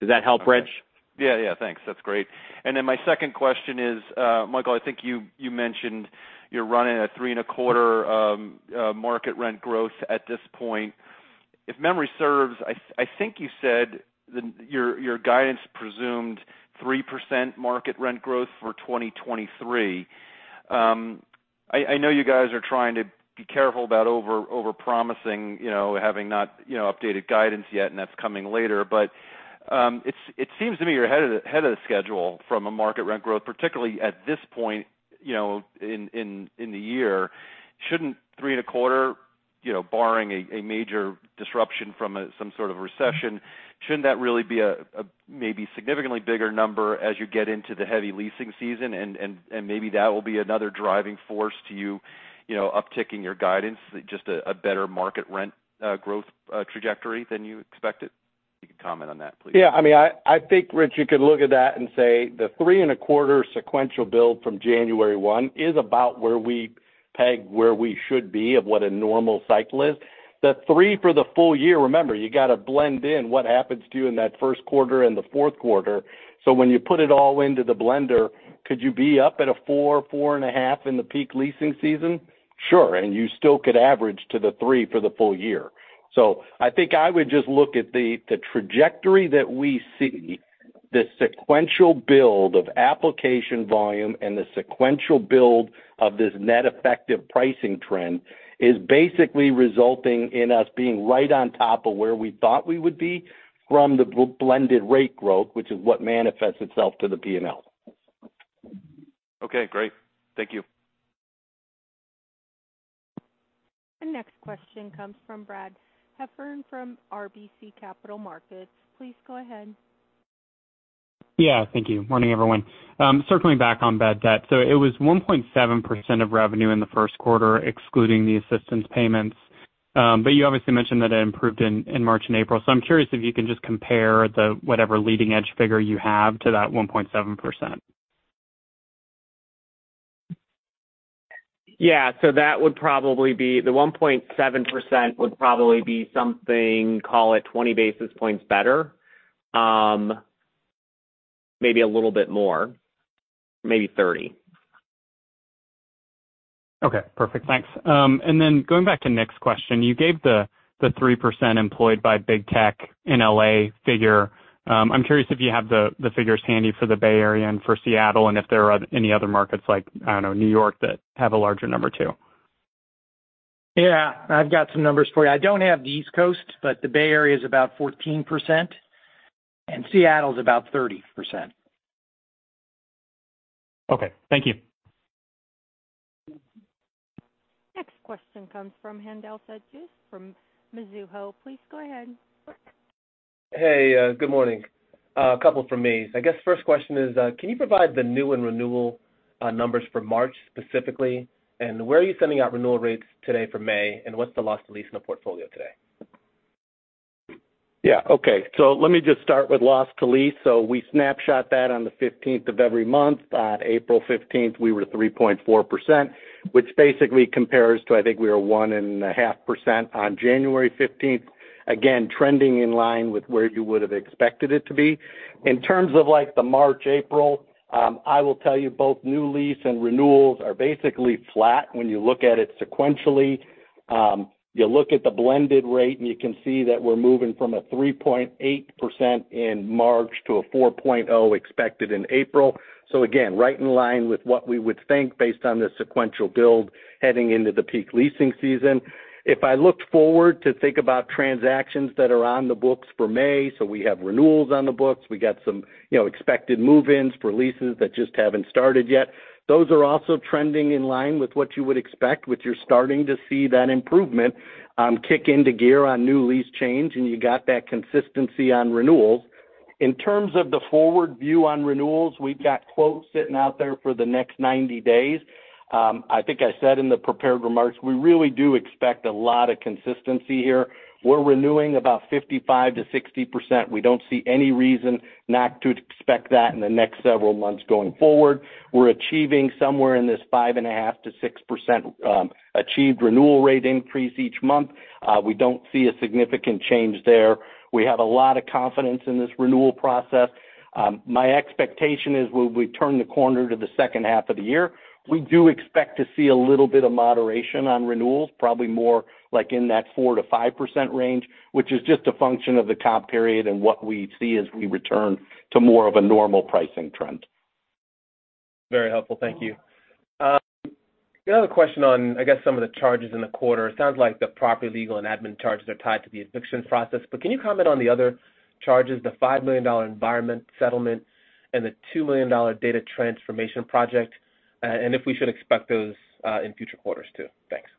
Does that help, Rich? Yeah, yeah. Thanks. That's great. My second question is, Michael, I think you mentioned you're running a 3.25% market rent growth at this point. If memory serves, I think you said your guidance presumed 3% market rent growth for 2023. I know you guys are trying to be careful about overpromising, you know, having not, you know, updated guidance yet, and that's coming later. It seems to me you're ahead of the schedule from a market rent growth, particularly at this point, you know, in the year. Shouldn't 3.25%, you know, barring a major disruption from some sort of recession, shouldn't that really be a maybe significantly bigger number as you get into the heavy leasing season and maybe that will be another driving force to you know, upticking your guidance, just a better market rent growth trajectory than you expected? If you could comment on that, please. Yeah. I mean, I think, Rich, you could look at that and say the 3.25% sequential build from January 1 is about where we peg we should be of what a normal cycle is. The 3% for the full year, remember, you gotta blend in what happens to you in that first quarter and the fourth quarter. When you put it all into the blender, could you be up at a 4.5% in the peak leasing season? Sure. You still could average to the 3% for the full year. I think I would just look at the trajectory that we see, the sequential build of application volume and the sequential build of this net effective pricing trend is basically resulting in us being right on top of where we thought we would be from the Blended Rate growth, which is what manifests itself to the P&L. Okay, great. Thank you. The next question comes from Brad Heffern from RBC Capital Markets. Please go ahead. Yeah, thank you. Morning, everyone. Circling back on bad debt. It was 1.7% of revenue in the first quarter, excluding the assistance payments. You obviously mentioned that it improved in March and April. I'm curious if you can just compare the whatever leading edge figure you have to that 1.7%. Yeah. The 1.7% would probably be something, call it 20 basis points better. Maybe a little bit more, maybe 30. Okay, perfect. Thanks. Going back to Nick's question, you gave the 3% employed by big tech in L.A. figure. I'm curious if you have the figures handy for the Bay Area and for Seattle and if there are any other markets like, I don't know, New York that have a larger number too. Yeah, I've got some numbers for you. I don't have the East Coast, but the Bay Area is about 14%, and Seattle's about 30%. Okay, thank you. Next question comes from Haendel St. Juste from Mizuho. Please go ahead. Hey, good morning. A couple from me. I guess first question is, can you provide the new and renewal numbers for March specifically? Where are you sending out renewal rates today for May? What's the loss to lease in the portfolio today? Let me just start with loss to lease. We snapshot that on the 15th of every month. On April 15th, we were 3.4%, which basically compares to, I think, we were 1.5% on January 15th. Again, trending in line with where you would have expected it to be. In terms of like the March, April, I will tell you both new lease and renewals are basically flat when you look at it sequentially. You look at the blended rate, and you can see that we're moving from a 3.8% in March to a 4.0% expected in April. Again, right in line with what we would think based on the sequential build heading into the peak leasing season. If I look forward to think about transactions that are on the books for May, so we have renewals on the books, we got some, you know, expected move-ins for leases that just haven't started yet. Those are also trending in line with what you would expect, which you're starting to see that improvement, kick into gear on New Lease Change, and you got that consistency on renewals. In terms of the forward view on renewals, we've got quotes sitting out there for the next 90 days. I think I said in the prepared remarks, we really do expect a lot of consistency here. We're renewing about 55%-60%. We don't see any reason not to expect that in the next several months going forward. We're achieving somewhere in this 5.5%-6%, achieved renewal rate increase each month. We don't see a significant change there. We have a lot of confidence in this renewal process. My expectation is when we turn the corner to the second half of the year, we do expect to see a little bit of moderation on renewals, probably more like in that 4%-5% range, which is just a function of the comp period and what we see as we return to more of a normal pricing trend. Very helpful. Thank you. The other question on, I guess, some of the charges in the quarter. It sounds like the property legal and admin charges are tied to the evictions process, but can you comment on the other charges, the $5 million environment settlement and the $2 million data transformation project? If we should expect those in future quarters too. Thanks.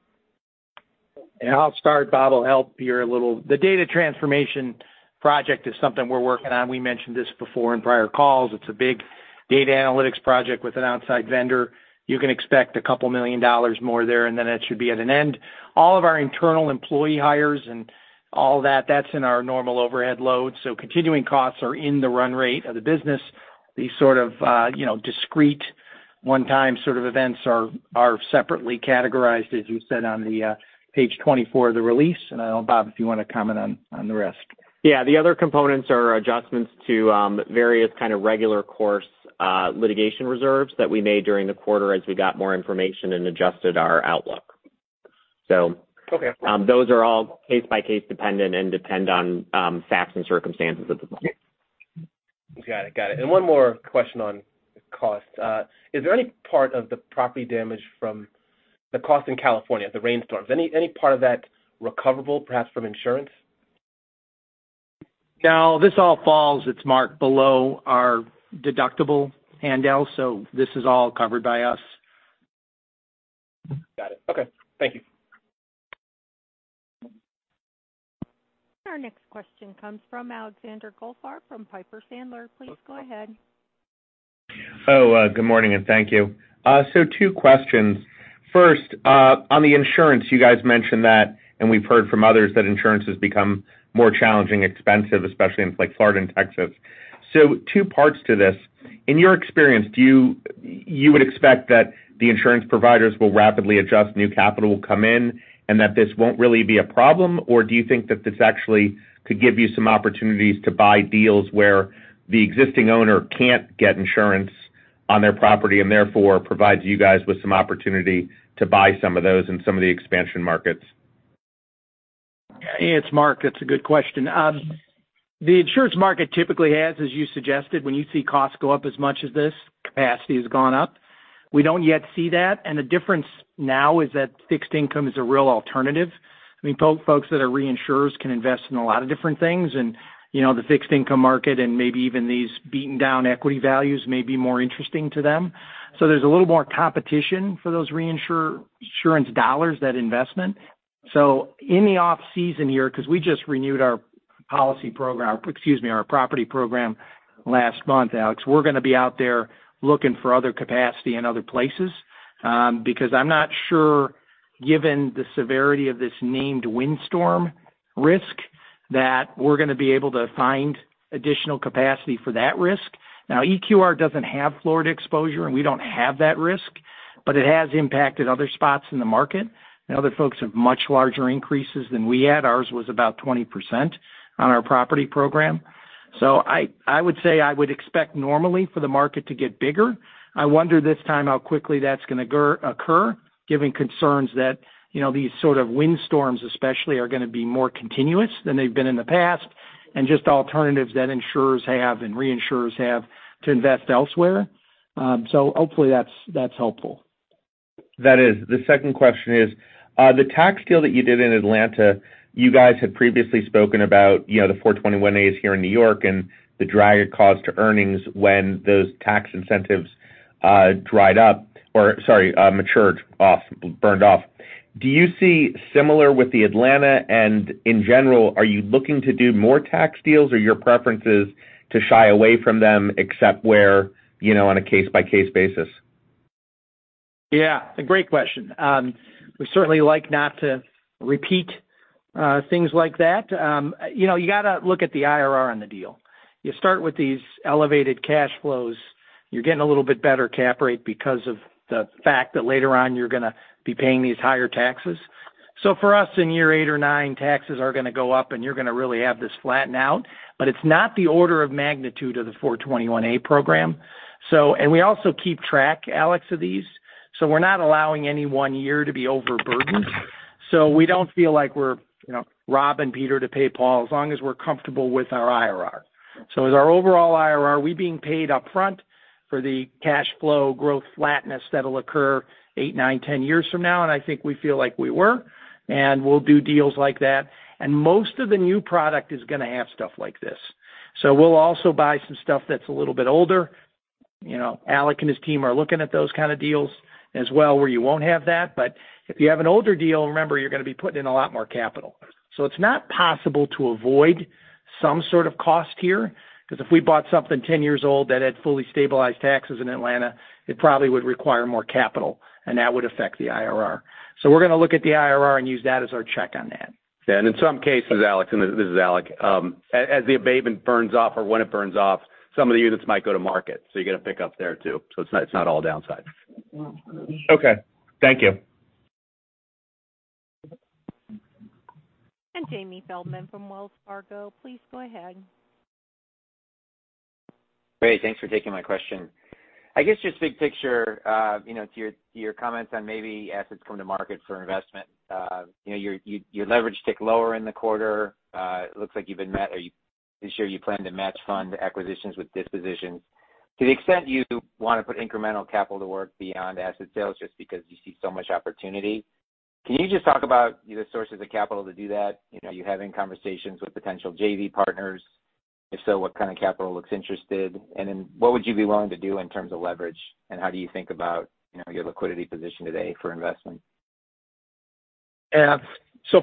I'll start. Bob will help here a little. The data transformation project is something we're working on. We mentioned this before in prior calls. It's a big data analytics project with an outside vendor. You can expect a couple million dollars more there, that should be at an end. All of our internal employee hires and all that's in our normal overhead load. Continuing costs are in the run rate of the business. The sort of, you know, discrete one-time sort of events are separately categorized, as you said, on the page 24 of the release. I don't know, Bob, if you wanna comment on the rest. Yeah. The other components are adjustments to, various kind of regular course, litigation reserves that we made during the quarter as we got more information and adjusted our outlook. Okay Those are all case by case dependent and depend on, facts and circumstances at the moment. Got it. One more question on cost. Is there any part of the property damage from the cost in California, the rainstorms? Any part of that recoverable perhaps from insurance? This all falls, it's marked below our deductible Haendel, so this is all covered by us. Got it. Okay. Thank you. Our next question comes from Alexander Goldfarb from Piper Sandler. Please go ahead. Good morning, and thank you. Two questions. First, on the insurance, you guys mentioned that, and we've heard from others that insurance has become more challenging, expensive, especially in like Florida and Texas. Two parts to this. In your experience, do you expect that the insurance providers will rapidly adjust, new capital will come in, and that this won't really be a problem, or do you think that this actually could give you some opportunities to buy deals where the existing owner can't get insurance on their property, and therefore provides you guys with some opportunity to buy some of those in some of the expansion markets? It's Mark. That's a good question. The insurance market typically has, as you suggested, when you see costs go up as much as this, capacity has gone up. We don't yet see that. The difference now is that fixed income is a real alternative. I mean, folks that are reinsurers can invest in a lot of different things and, you know, the fixed income market and maybe even these beaten down equity values may be more interesting to them. There's a little more competition for those reinsure insurance dollars, that investment. In the off-season here, 'cause we just renewed our policy program, excuse me, our property program last month, Alex, we're gonna be out there looking for other capacity in other places. because I'm not sure, given the severity of this named windstorm risk, that we're gonna be able to find additional capacity for that risk. Now, EQR doesn't have Florida exposure, and we don't have that risk, but it has impacted other spots in the market, and other folks have much larger increases than we had. Ours was about 20% on our property program. I would say I would expect normally for the market to get bigger. I wonder this time how quickly that's gonna occur given concerns that, you know, these sort of windstorms especially are gonna be more continuous than they've been in the past, and just alternatives that insurers have and reinsurers have to invest elsewhere. Hopefully that's helpful. That is. The second question is, the tax deal that you did in Atlanta, you guys had previously spoken about, you know, the 421-a's here in New York and the drag it caused to earnings when those tax incentives dried up or, sorry, matured off, burned off. Do you see similar with the Atlanta and in general, are you looking to do more tax deals or your preference is to shy away from them except where, you know, on a case by case basis? Yeah, a great question. We certainly like not to repeat things like that. You know, you gotta look at the IRR on the deal. You start with these elevated cash flows. You're getting a little bit better cap rate because of the fact that later on you're gonna be paying these higher taxes. For us, in year eight or nine, taxes are gonna go up, and you're gonna really have this flatten out. But it's not the order of magnitude of the 421-a program. We also keep track, Alex, of these. We're not allowing any one year to be overburdened. We don't feel like we're, you know, robbing Peter to pay Paul, as long as we're comfortable with our IRR. As our overall IRR, we being paid upfront for the cash flow growth flatness that'll occur eight, nine, 10 years from now. I think we feel like we were, and we'll do deals like that. Most of the new product is gonna have stuff like this. We'll also buy some stuff that's a little bit older. You know, Alec and his team are looking at those kind of deals as well, where you won't have that. If you have an older deal, remember, you're gonna be putting in a lot more capital. It's not possible to avoid some sort of cost here. 'Cause if we bought something 10 years old that had fully stabilized taxes in Atlanta, it probably would require more capital, and that would affect the IRR. We're gonna look at the IRR and use that as our check on that. In some cases, Alex, and this is Alec, as the abatement burns off or when it burns off, some of the units might go to market, so you get a pick up there too. It's not, it's not all downside. Okay. Thank you. Jamie Feldman from Wells Fargo, please go ahead. Great. Thanks for taking my question. I guess just big picture, you know, to your comments on maybe assets coming to market for investment. You know, your you leverage tick lower in the quarter. It looks like you've been met or This year you plan to match fund acquisitions with dispositions. To the extent you want to put incremental capital to work beyond asset sales just because you see so much opportunity, can you just talk about the sources of capital to do that? You know, are you having conversations with potential JV partners? If so, what kind of capital looks interested? Then what would you be willing to do in terms of leverage, and how do you think about, you know, your liquidity position today for investment?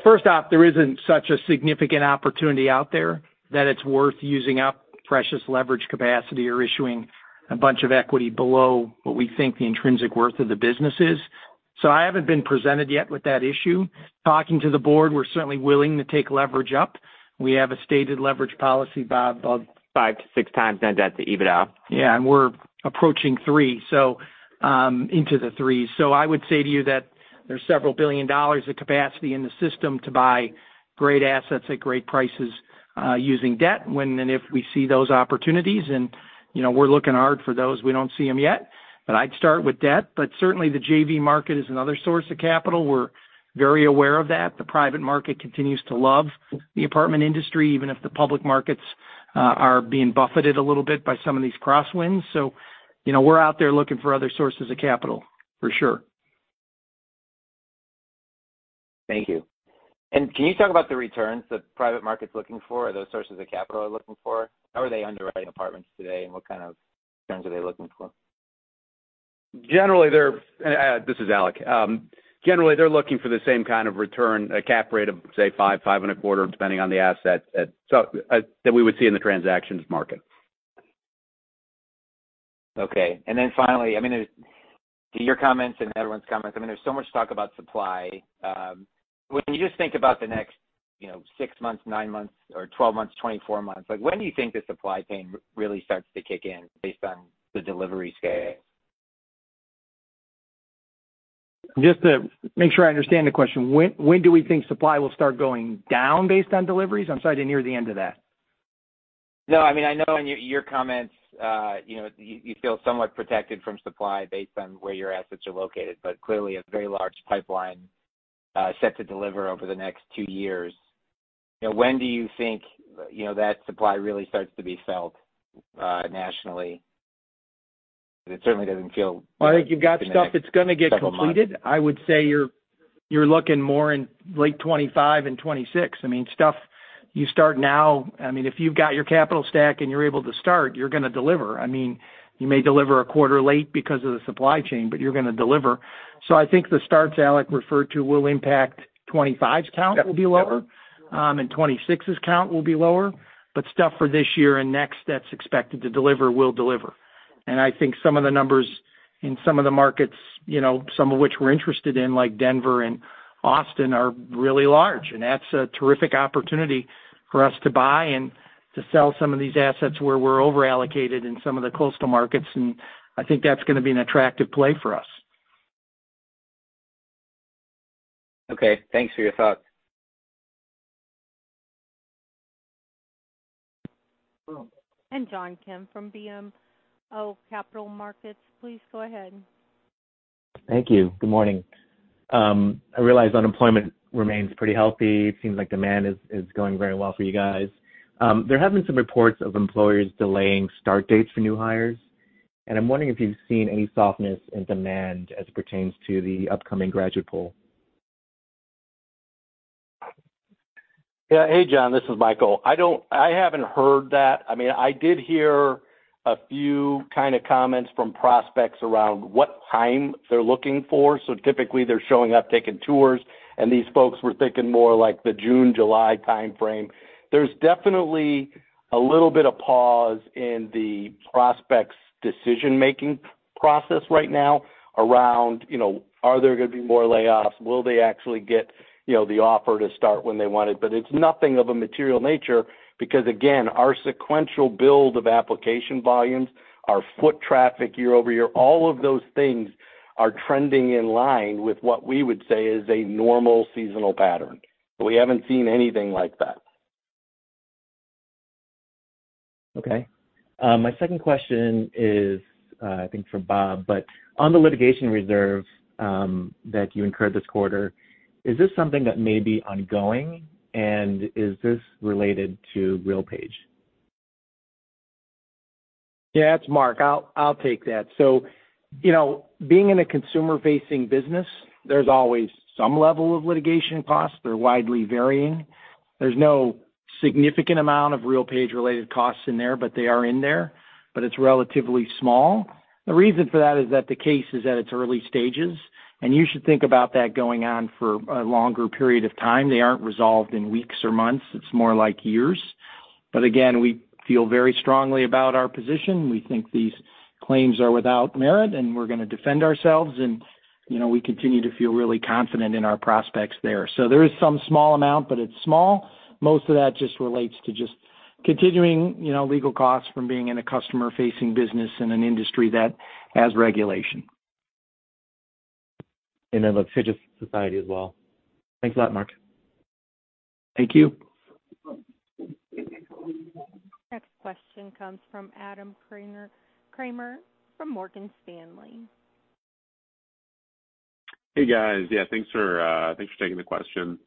First off, there isn't such a significant opportunity out there that it's worth using up precious leverage capacity or issuing a bunch of equity below what we think the intrinsic worth of the business is. I haven't been presented yet with that issue. Talking to the board, we're certainly willing to take leverage up. We have a stated leverage policy, Bob. 5x-6x net debt to EBITDA. Yeah. We're approaching three. Into the three. I would say to you that there's several billion dollars of capacity in the system to buy great assets at great prices, using debt when and if we see those opportunities. You know, we're looking hard for those. We don't see them yet, but I'd start with debt. Certainly the JV market is another source of capital. We're very aware of that. The private market continues to love the apartment industry, even if the public markets are being buffeted a little bit by some of these crosswinds. You know, we're out there looking for other sources of capital, for sure. Thank you. Can you talk about the returns the private market's looking for or those sources of capital are looking for? How are they underwriting apartments today, and what kind of returns are they looking for? Generally, they're, this is Alec. Generally, they're looking for the same kind of return, a cap rate of, say, 5.25%, depending on the asset so that we would see in the transactions market. Okay. Finally, I mean, to your comments and everyone's comments, I mean, there's so much talk about supply. When you just think about the next, you know, six months, nine months or 12 months, 24 months, like, when do you think the supply chain really starts to kick in based on the delivery scale? Just to make sure I understand the question. When do we think supply will start going down based on deliveries? I'm sorry, I didn't hear the end of that. No, I mean, I know in your comments, you know, you feel somewhat protected from supply based on where your assets are located. Clearly a very large pipeline, set to deliver over the next two years. You know, when do you think, you know, that supply really starts to be felt nationally? It certainly doesn't feel like it's in the next several months. I think you've got stuff that's gonna get completed. I would say you're looking more in late 2025 and 2026. I mean, stuff you start now, I mean, if you've got your capital stack and you're able to start, you're gonna deliver. I mean, you may deliver a quarter late because of the supply chain, but you're gonna deliver. I think the starts Alec referred to will impact 2025's count will be lower, and 2026's count will be lower. Stuff for this year and next that's expected to deliver will deliver. I think some of the numbers in some of the markets, you know, some of which we're interested in, like Denver and Austin, are really large, and that's a terrific opportunity for us to buy and to sell some of these assets where we're overallocated in some of the coastal markets. I think that's gonna be an attractive play for us. Okay. Thanks for your thoughts. John Kim from BMO Capital Markets, please go ahead. Thank you. Good morning. I realize unemployment remains pretty healthy. It seems like demand is going very well for you guys. There have been some reports of employers delaying start dates for new hires. I'm wondering if you've seen any softness in demand as it pertains to the upcoming graduate pool. Hey, John, this is Michael. I haven't heard that. I mean, I did hear a few kind of comments from prospects around what time they're looking for. Typically they're showing up taking tours, and these folks were thinking more like the June, July timeframe. There's definitely a little bit of pause in the prospects decision-making process right now around, you know, are there gonna be more layoffs? Will they actually get, you know, the offer to start when they want it? It's nothing of a material nature because, again, our sequential build of application volumes, our foot traffic year-over-year, all of those things are trending in line with what we would say is a normal seasonal pattern. We haven't seen anything like that. Okay. My second question is, I think for Bob. On the litigation reserve, that you incurred this quarter, is this something that may be ongoing, and is this related to RealPage? Yeah, it's Mark. I'll take that. You know, being in a consumer-facing business, there's always some level of litigation costs. They're widely varying. There's no significant amount of RealPage related costs in there, but they are in there. It's relatively small. The reason for that is that the case is at its early stages, and you should think about that going on for a longer period of time. They aren't resolved in weeks or months. It's more like years. Again, we feel very strongly about our position. We think these claims are without merit, and we're gonna defend ourselves. You know, we continue to feel really confident in our prospects there. There is some small amount, but it's small. Most of that just relates to just continuing, you know, legal costs from being in a customer-facing business in an industry that has regulation. The litigious society as well. Thanks a lot, Mark. Thank you. Next question comes from Adam Kramer from Morgan Stanley. Hey guys. Yeah, thanks for taking the question.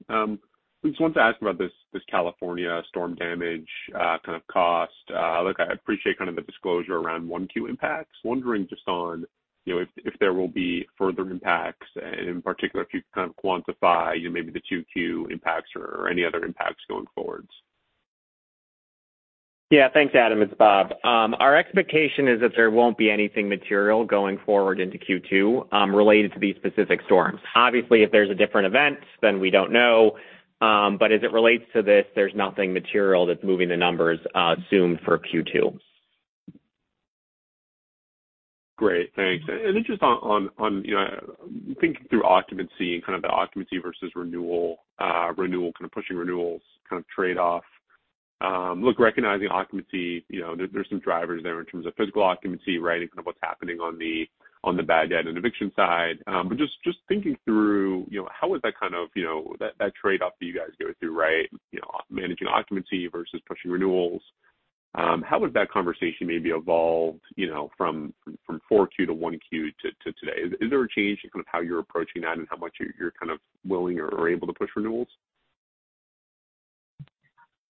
We just wanted to ask about this California storm damage, kind of cost. Look, I appreciate kind of the disclosure around 1Q impacts. Wondering just on, you know, if there will be further impacts, and in particular, if you could kind of quantify, you know, maybe the 2Q impacts or any other impacts going forwards. Thanks, Adam. It's Bob. Our expectation is that there won't be anything material going forward into Q2 related to these specific storms. If there's a different event, then we don't know. As it relates to this, there's nothing material that's moving the numbers soon for Q2. Great. Thanks. Just on, you know, thinking through occupancy and kind of the occupancy versus renewal, kind of pushing renewals kind of trade-off. Look, recognizing occupancy, you know, there's some drivers there in terms of physical occupancy, right? And kind of what's happening on the, on the bad debt and eviction side. Just thinking through, you know, how is that kind of, you know, that trade-off that you guys go through, right? You know, managing occupancy versus pushing renewals. How would that conversation maybe evolved, you know, from 4Q to 1Q to today? Is there a change in kind of how you're approaching that and how much you're kind of willing or able to push renewals?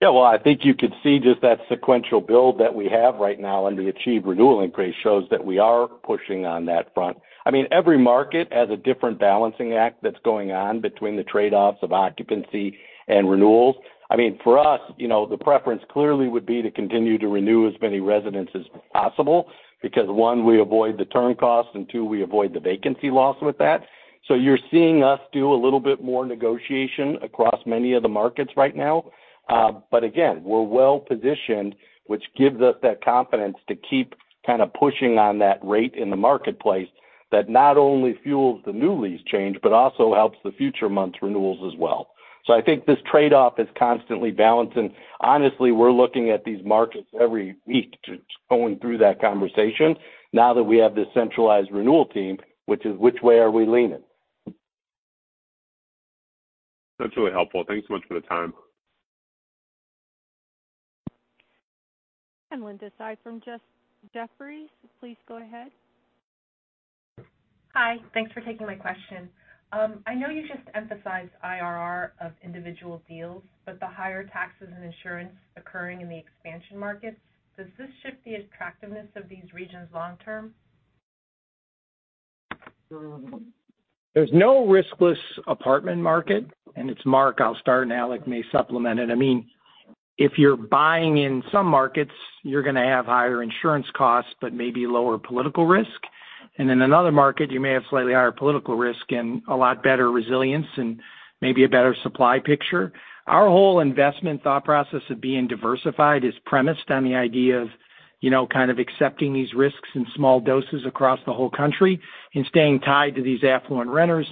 Well, I think you could see just that sequential build that we have right now and the achieved renewal increase shows that we are pushing on that front. I mean, every market has a different balancing act that's going on between the trade-offs of occupancy and renewals. I mean, for us, you know, the preference clearly would be to continue to renew as many residents as possible because, one, we avoid the turn costs, and two, we avoid the vacancy loss with that. You're seeing us do a little bit more negotiation across many of the markets right now. Again, we're well-positioned, which gives us that confidence to keep kind of pushing on that rate in the marketplace that not only fuels the New Lease Change, but also helps the future months renewals as well. I think this trade-off is constantly balancing. Honestly, we're looking at these markets every week to going through that conversation now that we have this centralized renewal team, which is which way are we leaning? That's really helpful. Thanks so much for the time. Linda Tsai from just Jefferies. Please go ahead. Hi. Thanks for taking my question. I know you just emphasized IRR of individual deals, but the higher taxes and insurance occurring in the expansion markets, does this shift the attractiveness of these regions long term? There's no riskless apartment market, and it's Mark, I'll start, and Alec may supplement it. I mean, if you're buying in some markets, you're gonna have higher insurance costs, but maybe lower political risk. In another market you may have slightly higher political risk and a lot better resilience and maybe a better supply picture. Our whole investment thought process of being diversified is premised on the idea of, you know, kind of accepting these risks in small doses across the whole country and staying tied to these affluent renters.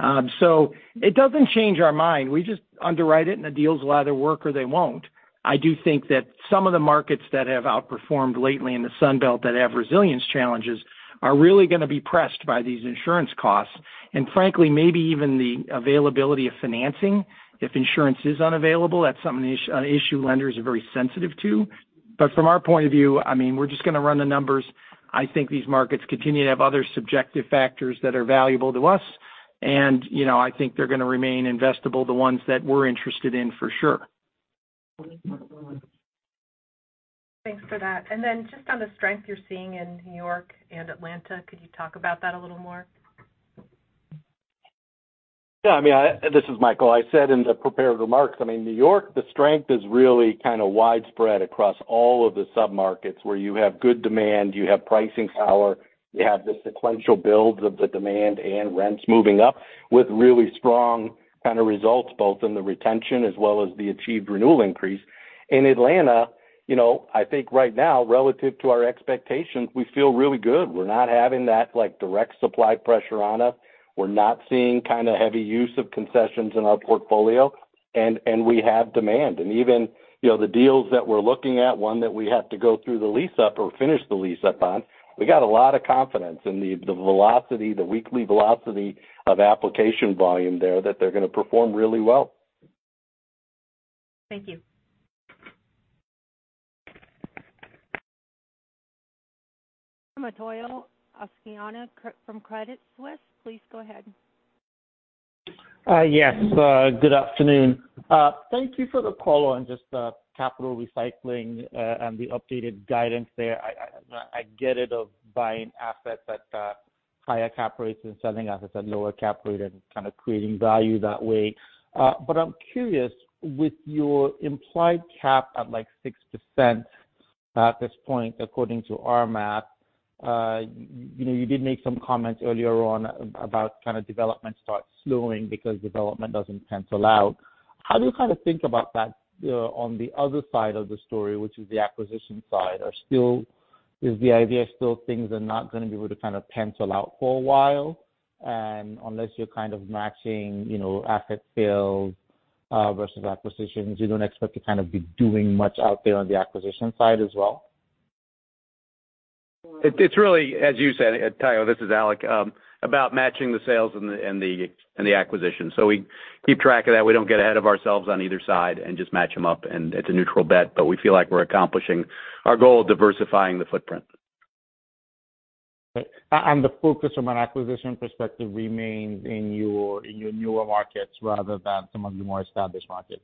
It doesn't change our mind. We just underwrite it, and the deals will either work or they won't. I do think that some of the markets that have outperformed lately in the Sun Belt that have resilience challenges are really gonna be pressed by these insurance costs, and frankly, maybe even the availability of financing if insurance is unavailable. That's something an issue lenders are very sensitive to. From our point of view, I mean, we're just gonna run the numbers. I think these markets continue to have other subjective factors that are valuable to us. You know, I think they're gonna remain investable, the ones that we're interested in for sure. Thanks for that. Just on the strength you're seeing in New York and Atlanta, could you talk about that a little more? Yeah, I mean, this is Michael. I said in the prepared remarks, I mean, New York, the strength is really kind of widespread across all of the sub-markets where you have good demand, you have pricing power, you have the sequential builds of the demand and rents moving up with really strong kind of results, both in the retention as well as the achieved renewal increase. In Atlanta, you know, I think right now, relative to our expectations, we feel really good. We're not having that, like, direct supply pressure on us. We're not seeing kind of heavy use of concessions in our portfolio. We have demand. Even, you know, the deals that we're looking at, one that we have to go through the lease-up or finish the lease-up on, we got a lot of confidence in the velocity, the weekly velocity of application volume there that they're gonna perform really well. Thank you. Omotayo Okusanya, From Credit Suisse, please go ahead. Yes. Good afternoon. Thank you for the call on just capital recycling and the updated guidance there. I get it, of buying assets at higher cap rates and selling assets at lower cap rate and kind of creating value that way. I'm curious, with your implied cap at, like, 6% at this point, according to our math, you know, you did make some comments earlier on about kind of development start slowing because development doesn't pencil out. How do you kind of think about that on the other side of the story, which is the acquisition side? Is the idea still things are not gonna be able to kind of pencil out for a while, and unless you're kind of matching, you know, asset sales, versus acquisitions, you don't expect to kind of be doing much out there on the acquisition side as well? It's really as you said, Tayo, this is Alec, about matching the sales and the acquisition. We keep track of that. We don't get ahead of ourselves on either side and just match them up, and it's a neutral bet. We feel like we're accomplishing our goal of diversifying the footprint. The focus from an acquisition perspective remains in your newer markets rather than some of the more established markets.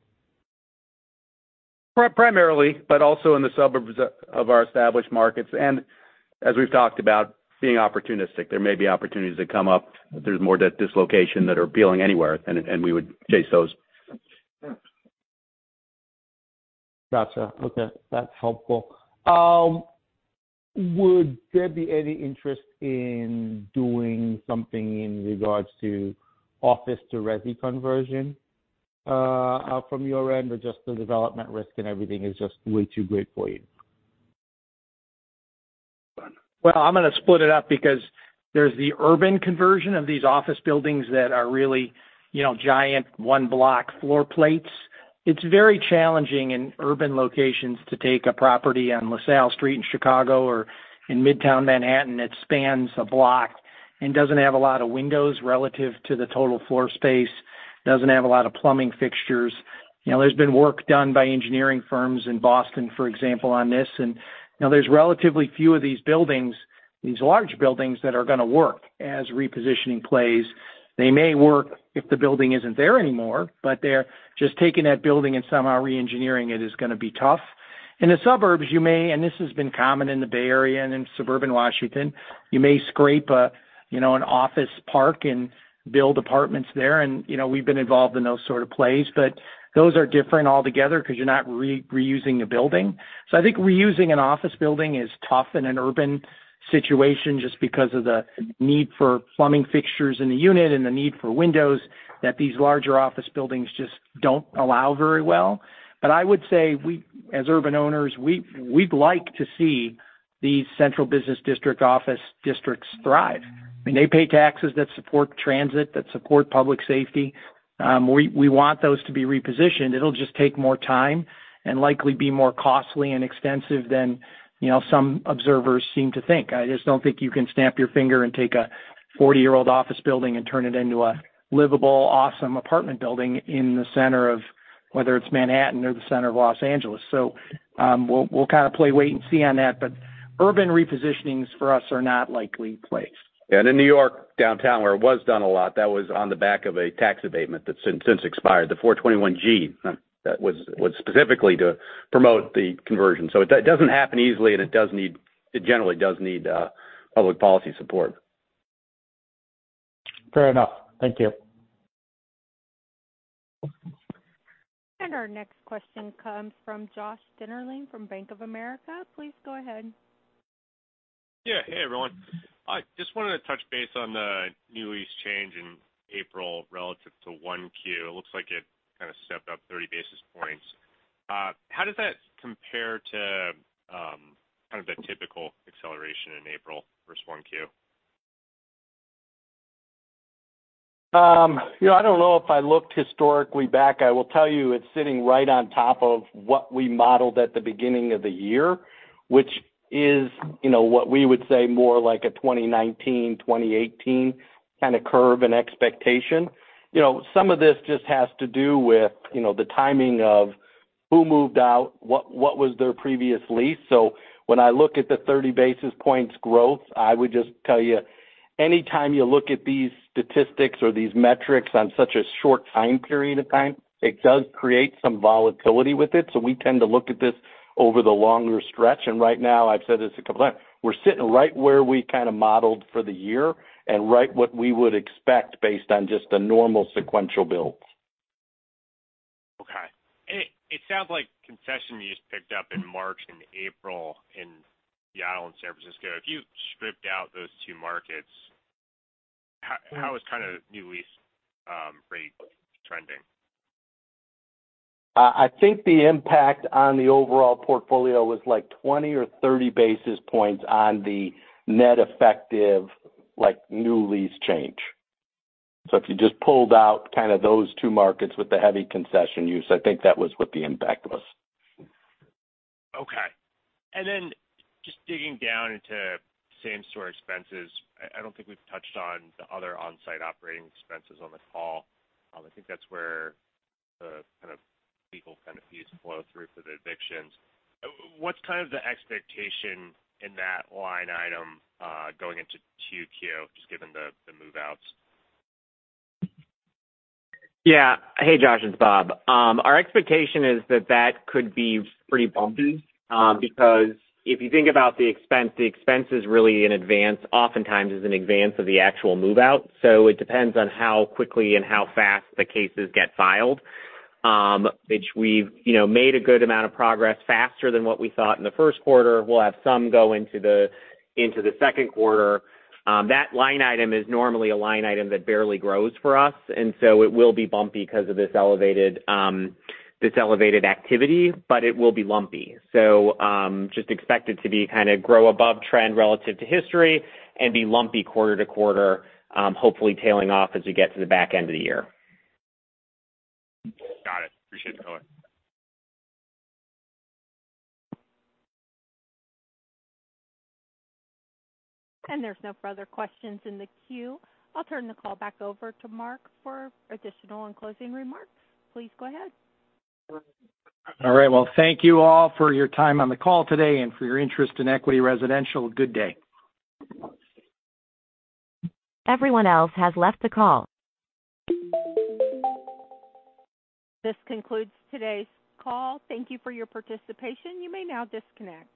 primarily, but also in the suburbs of our established markets, and as we've talked about being opportunistic. There may be opportunities that come up if there's more dislocation that are appealing anywhere, and we would chase those. Gotcha. Okay, that's helpful. Would there be any interest in doing something in regards to office to resi conversion, from your end, or just the development risk and everything is just way too great for you? Well, I'm gonna split it up because there's the urban conversion of these office buildings that are really, you know, giant one block floor plates. It's very challenging in urban locations to take a property on LaSalle Street in Chicago or in Midtown Manhattan that spans a block and doesn't have a lot of windows relative to the total floor space, doesn't have a lot of plumbing fixtures. You know, there's been work done by engineering firms in Boston, for example, on this. You know, there's relatively few of these buildings, these large buildings that are gonna work as repositioning plays. They may work if the building isn't there anymore, but they're just taking that building and somehow re-engineering it is gonna be tough. In the suburbs, you may, and this has been common in the Bay Area and in suburban Washington, you may scrape a, you know, an office park and build apartments there. You know, we've been involved in those sort of plays, but those are different altogether 'cause you're not re-reusing a building. I think reusing an office building is tough in an urban situation just because of the need for plumbing fixtures in the unit and the need for windows that these larger office buildings just don't allow very well. I would say we, as urban owners, we'd like to see these central business district office districts thrive. I mean, they pay taxes that support transit, that support public safety. We want those to be repositioned. It'll just take more time and likely be more costly and extensive than, you know, some observers seem to think. I just don't think you can snap your finger and take a 40-year-old office building and turn it into a livable, awesome apartment building in the center of whether it's Manhattan or the center of Los Angeles. We'll kind of play wait and see on that. Urban repositionings for us are not likely placed. In New York downtown, where it was done a lot, that was on the back of a tax abatement that's since expired, the 421-g that was specifically to promote the conversion. It doesn't happen easily, and it does need. It generally does need public policy support. Fair enough. Thank you. Our next question comes from Josh Dennerlein from Bank of America. Please go ahead. Yeah. Hey, everyone. I just wanted to touch base on the New Lease Change in April relative to 1Q. It looks like it kind of stepped up 30 basis points. How does that compare to, kind of the typical acceleration in April versus 1Q? You know, I don't know if I looked historically back. I will tell you it's sitting right on top of what we modeled at the beginning of the year, which is, you know, what we would say more like a 2019, 2018 kinda curve and expectation. You know, some of this just has to do with, you know, the timing of who moved out, what was their previous lease. When I look at the 30 basis points growth, I would just tell you, anytime you look at these statistics or these metrics on such a short time period of time, it does create some volatility with it, so we tend to look at this over the longer stretch. Right now, I've said this a couple times, we're sitting right where we kinda modeled for the year and right what we would expect based on just the normal sequential builds. Okay. It sounds like concession you just picked up in March and April in Seattle and San Francisco. If you stripped out those two markets, how is kinda new lease rate trending? I think the impact on the overall portfolio was like 20 or 30 basis points on the net effective, like, new lease change. If you just pulled out kinda those two markets with the heavy concession use, I think that was what the impact was. Okay. Just digging down into same-store expenses, I don't think we've touched on the other onsite operating expenses on the call. I think that's where the kind of legal kind of fees flow through for the evictions. What's kind of the expectation in that line item going into 2Q, just given the move-outs? Hey, Josh, it's Bob. Our expectation is that that could be pretty bumpy because if you think about the expense, the expense is really in advance, oftentimes is in advance of the actual move-out. It depends on how quickly and how fast the cases get filed, which we've, you know, made a good amount of progress faster than what we thought in the first quarter. We'll have some go into the second quarter. That line item is normally a line item that barely grows for us, it will be bumpy 'cause of this elevated activity, it will be lumpy. Just expect it to be kinda grow above trend relative to history and be lumpy quarter to quarter, hopefully tailing off as we get to the back end of the year. Got it. Appreciate the color. There are no further questions in the queue. I'll turn the call back over to Mark for additional and closing remarks. Please go ahead. All right. Well, thank you all for your time on the call today and for your interest in Equity Residential. Good day. Everyone else has left the call. This concludes today's call. Thank you for your participation. You may now disconnect.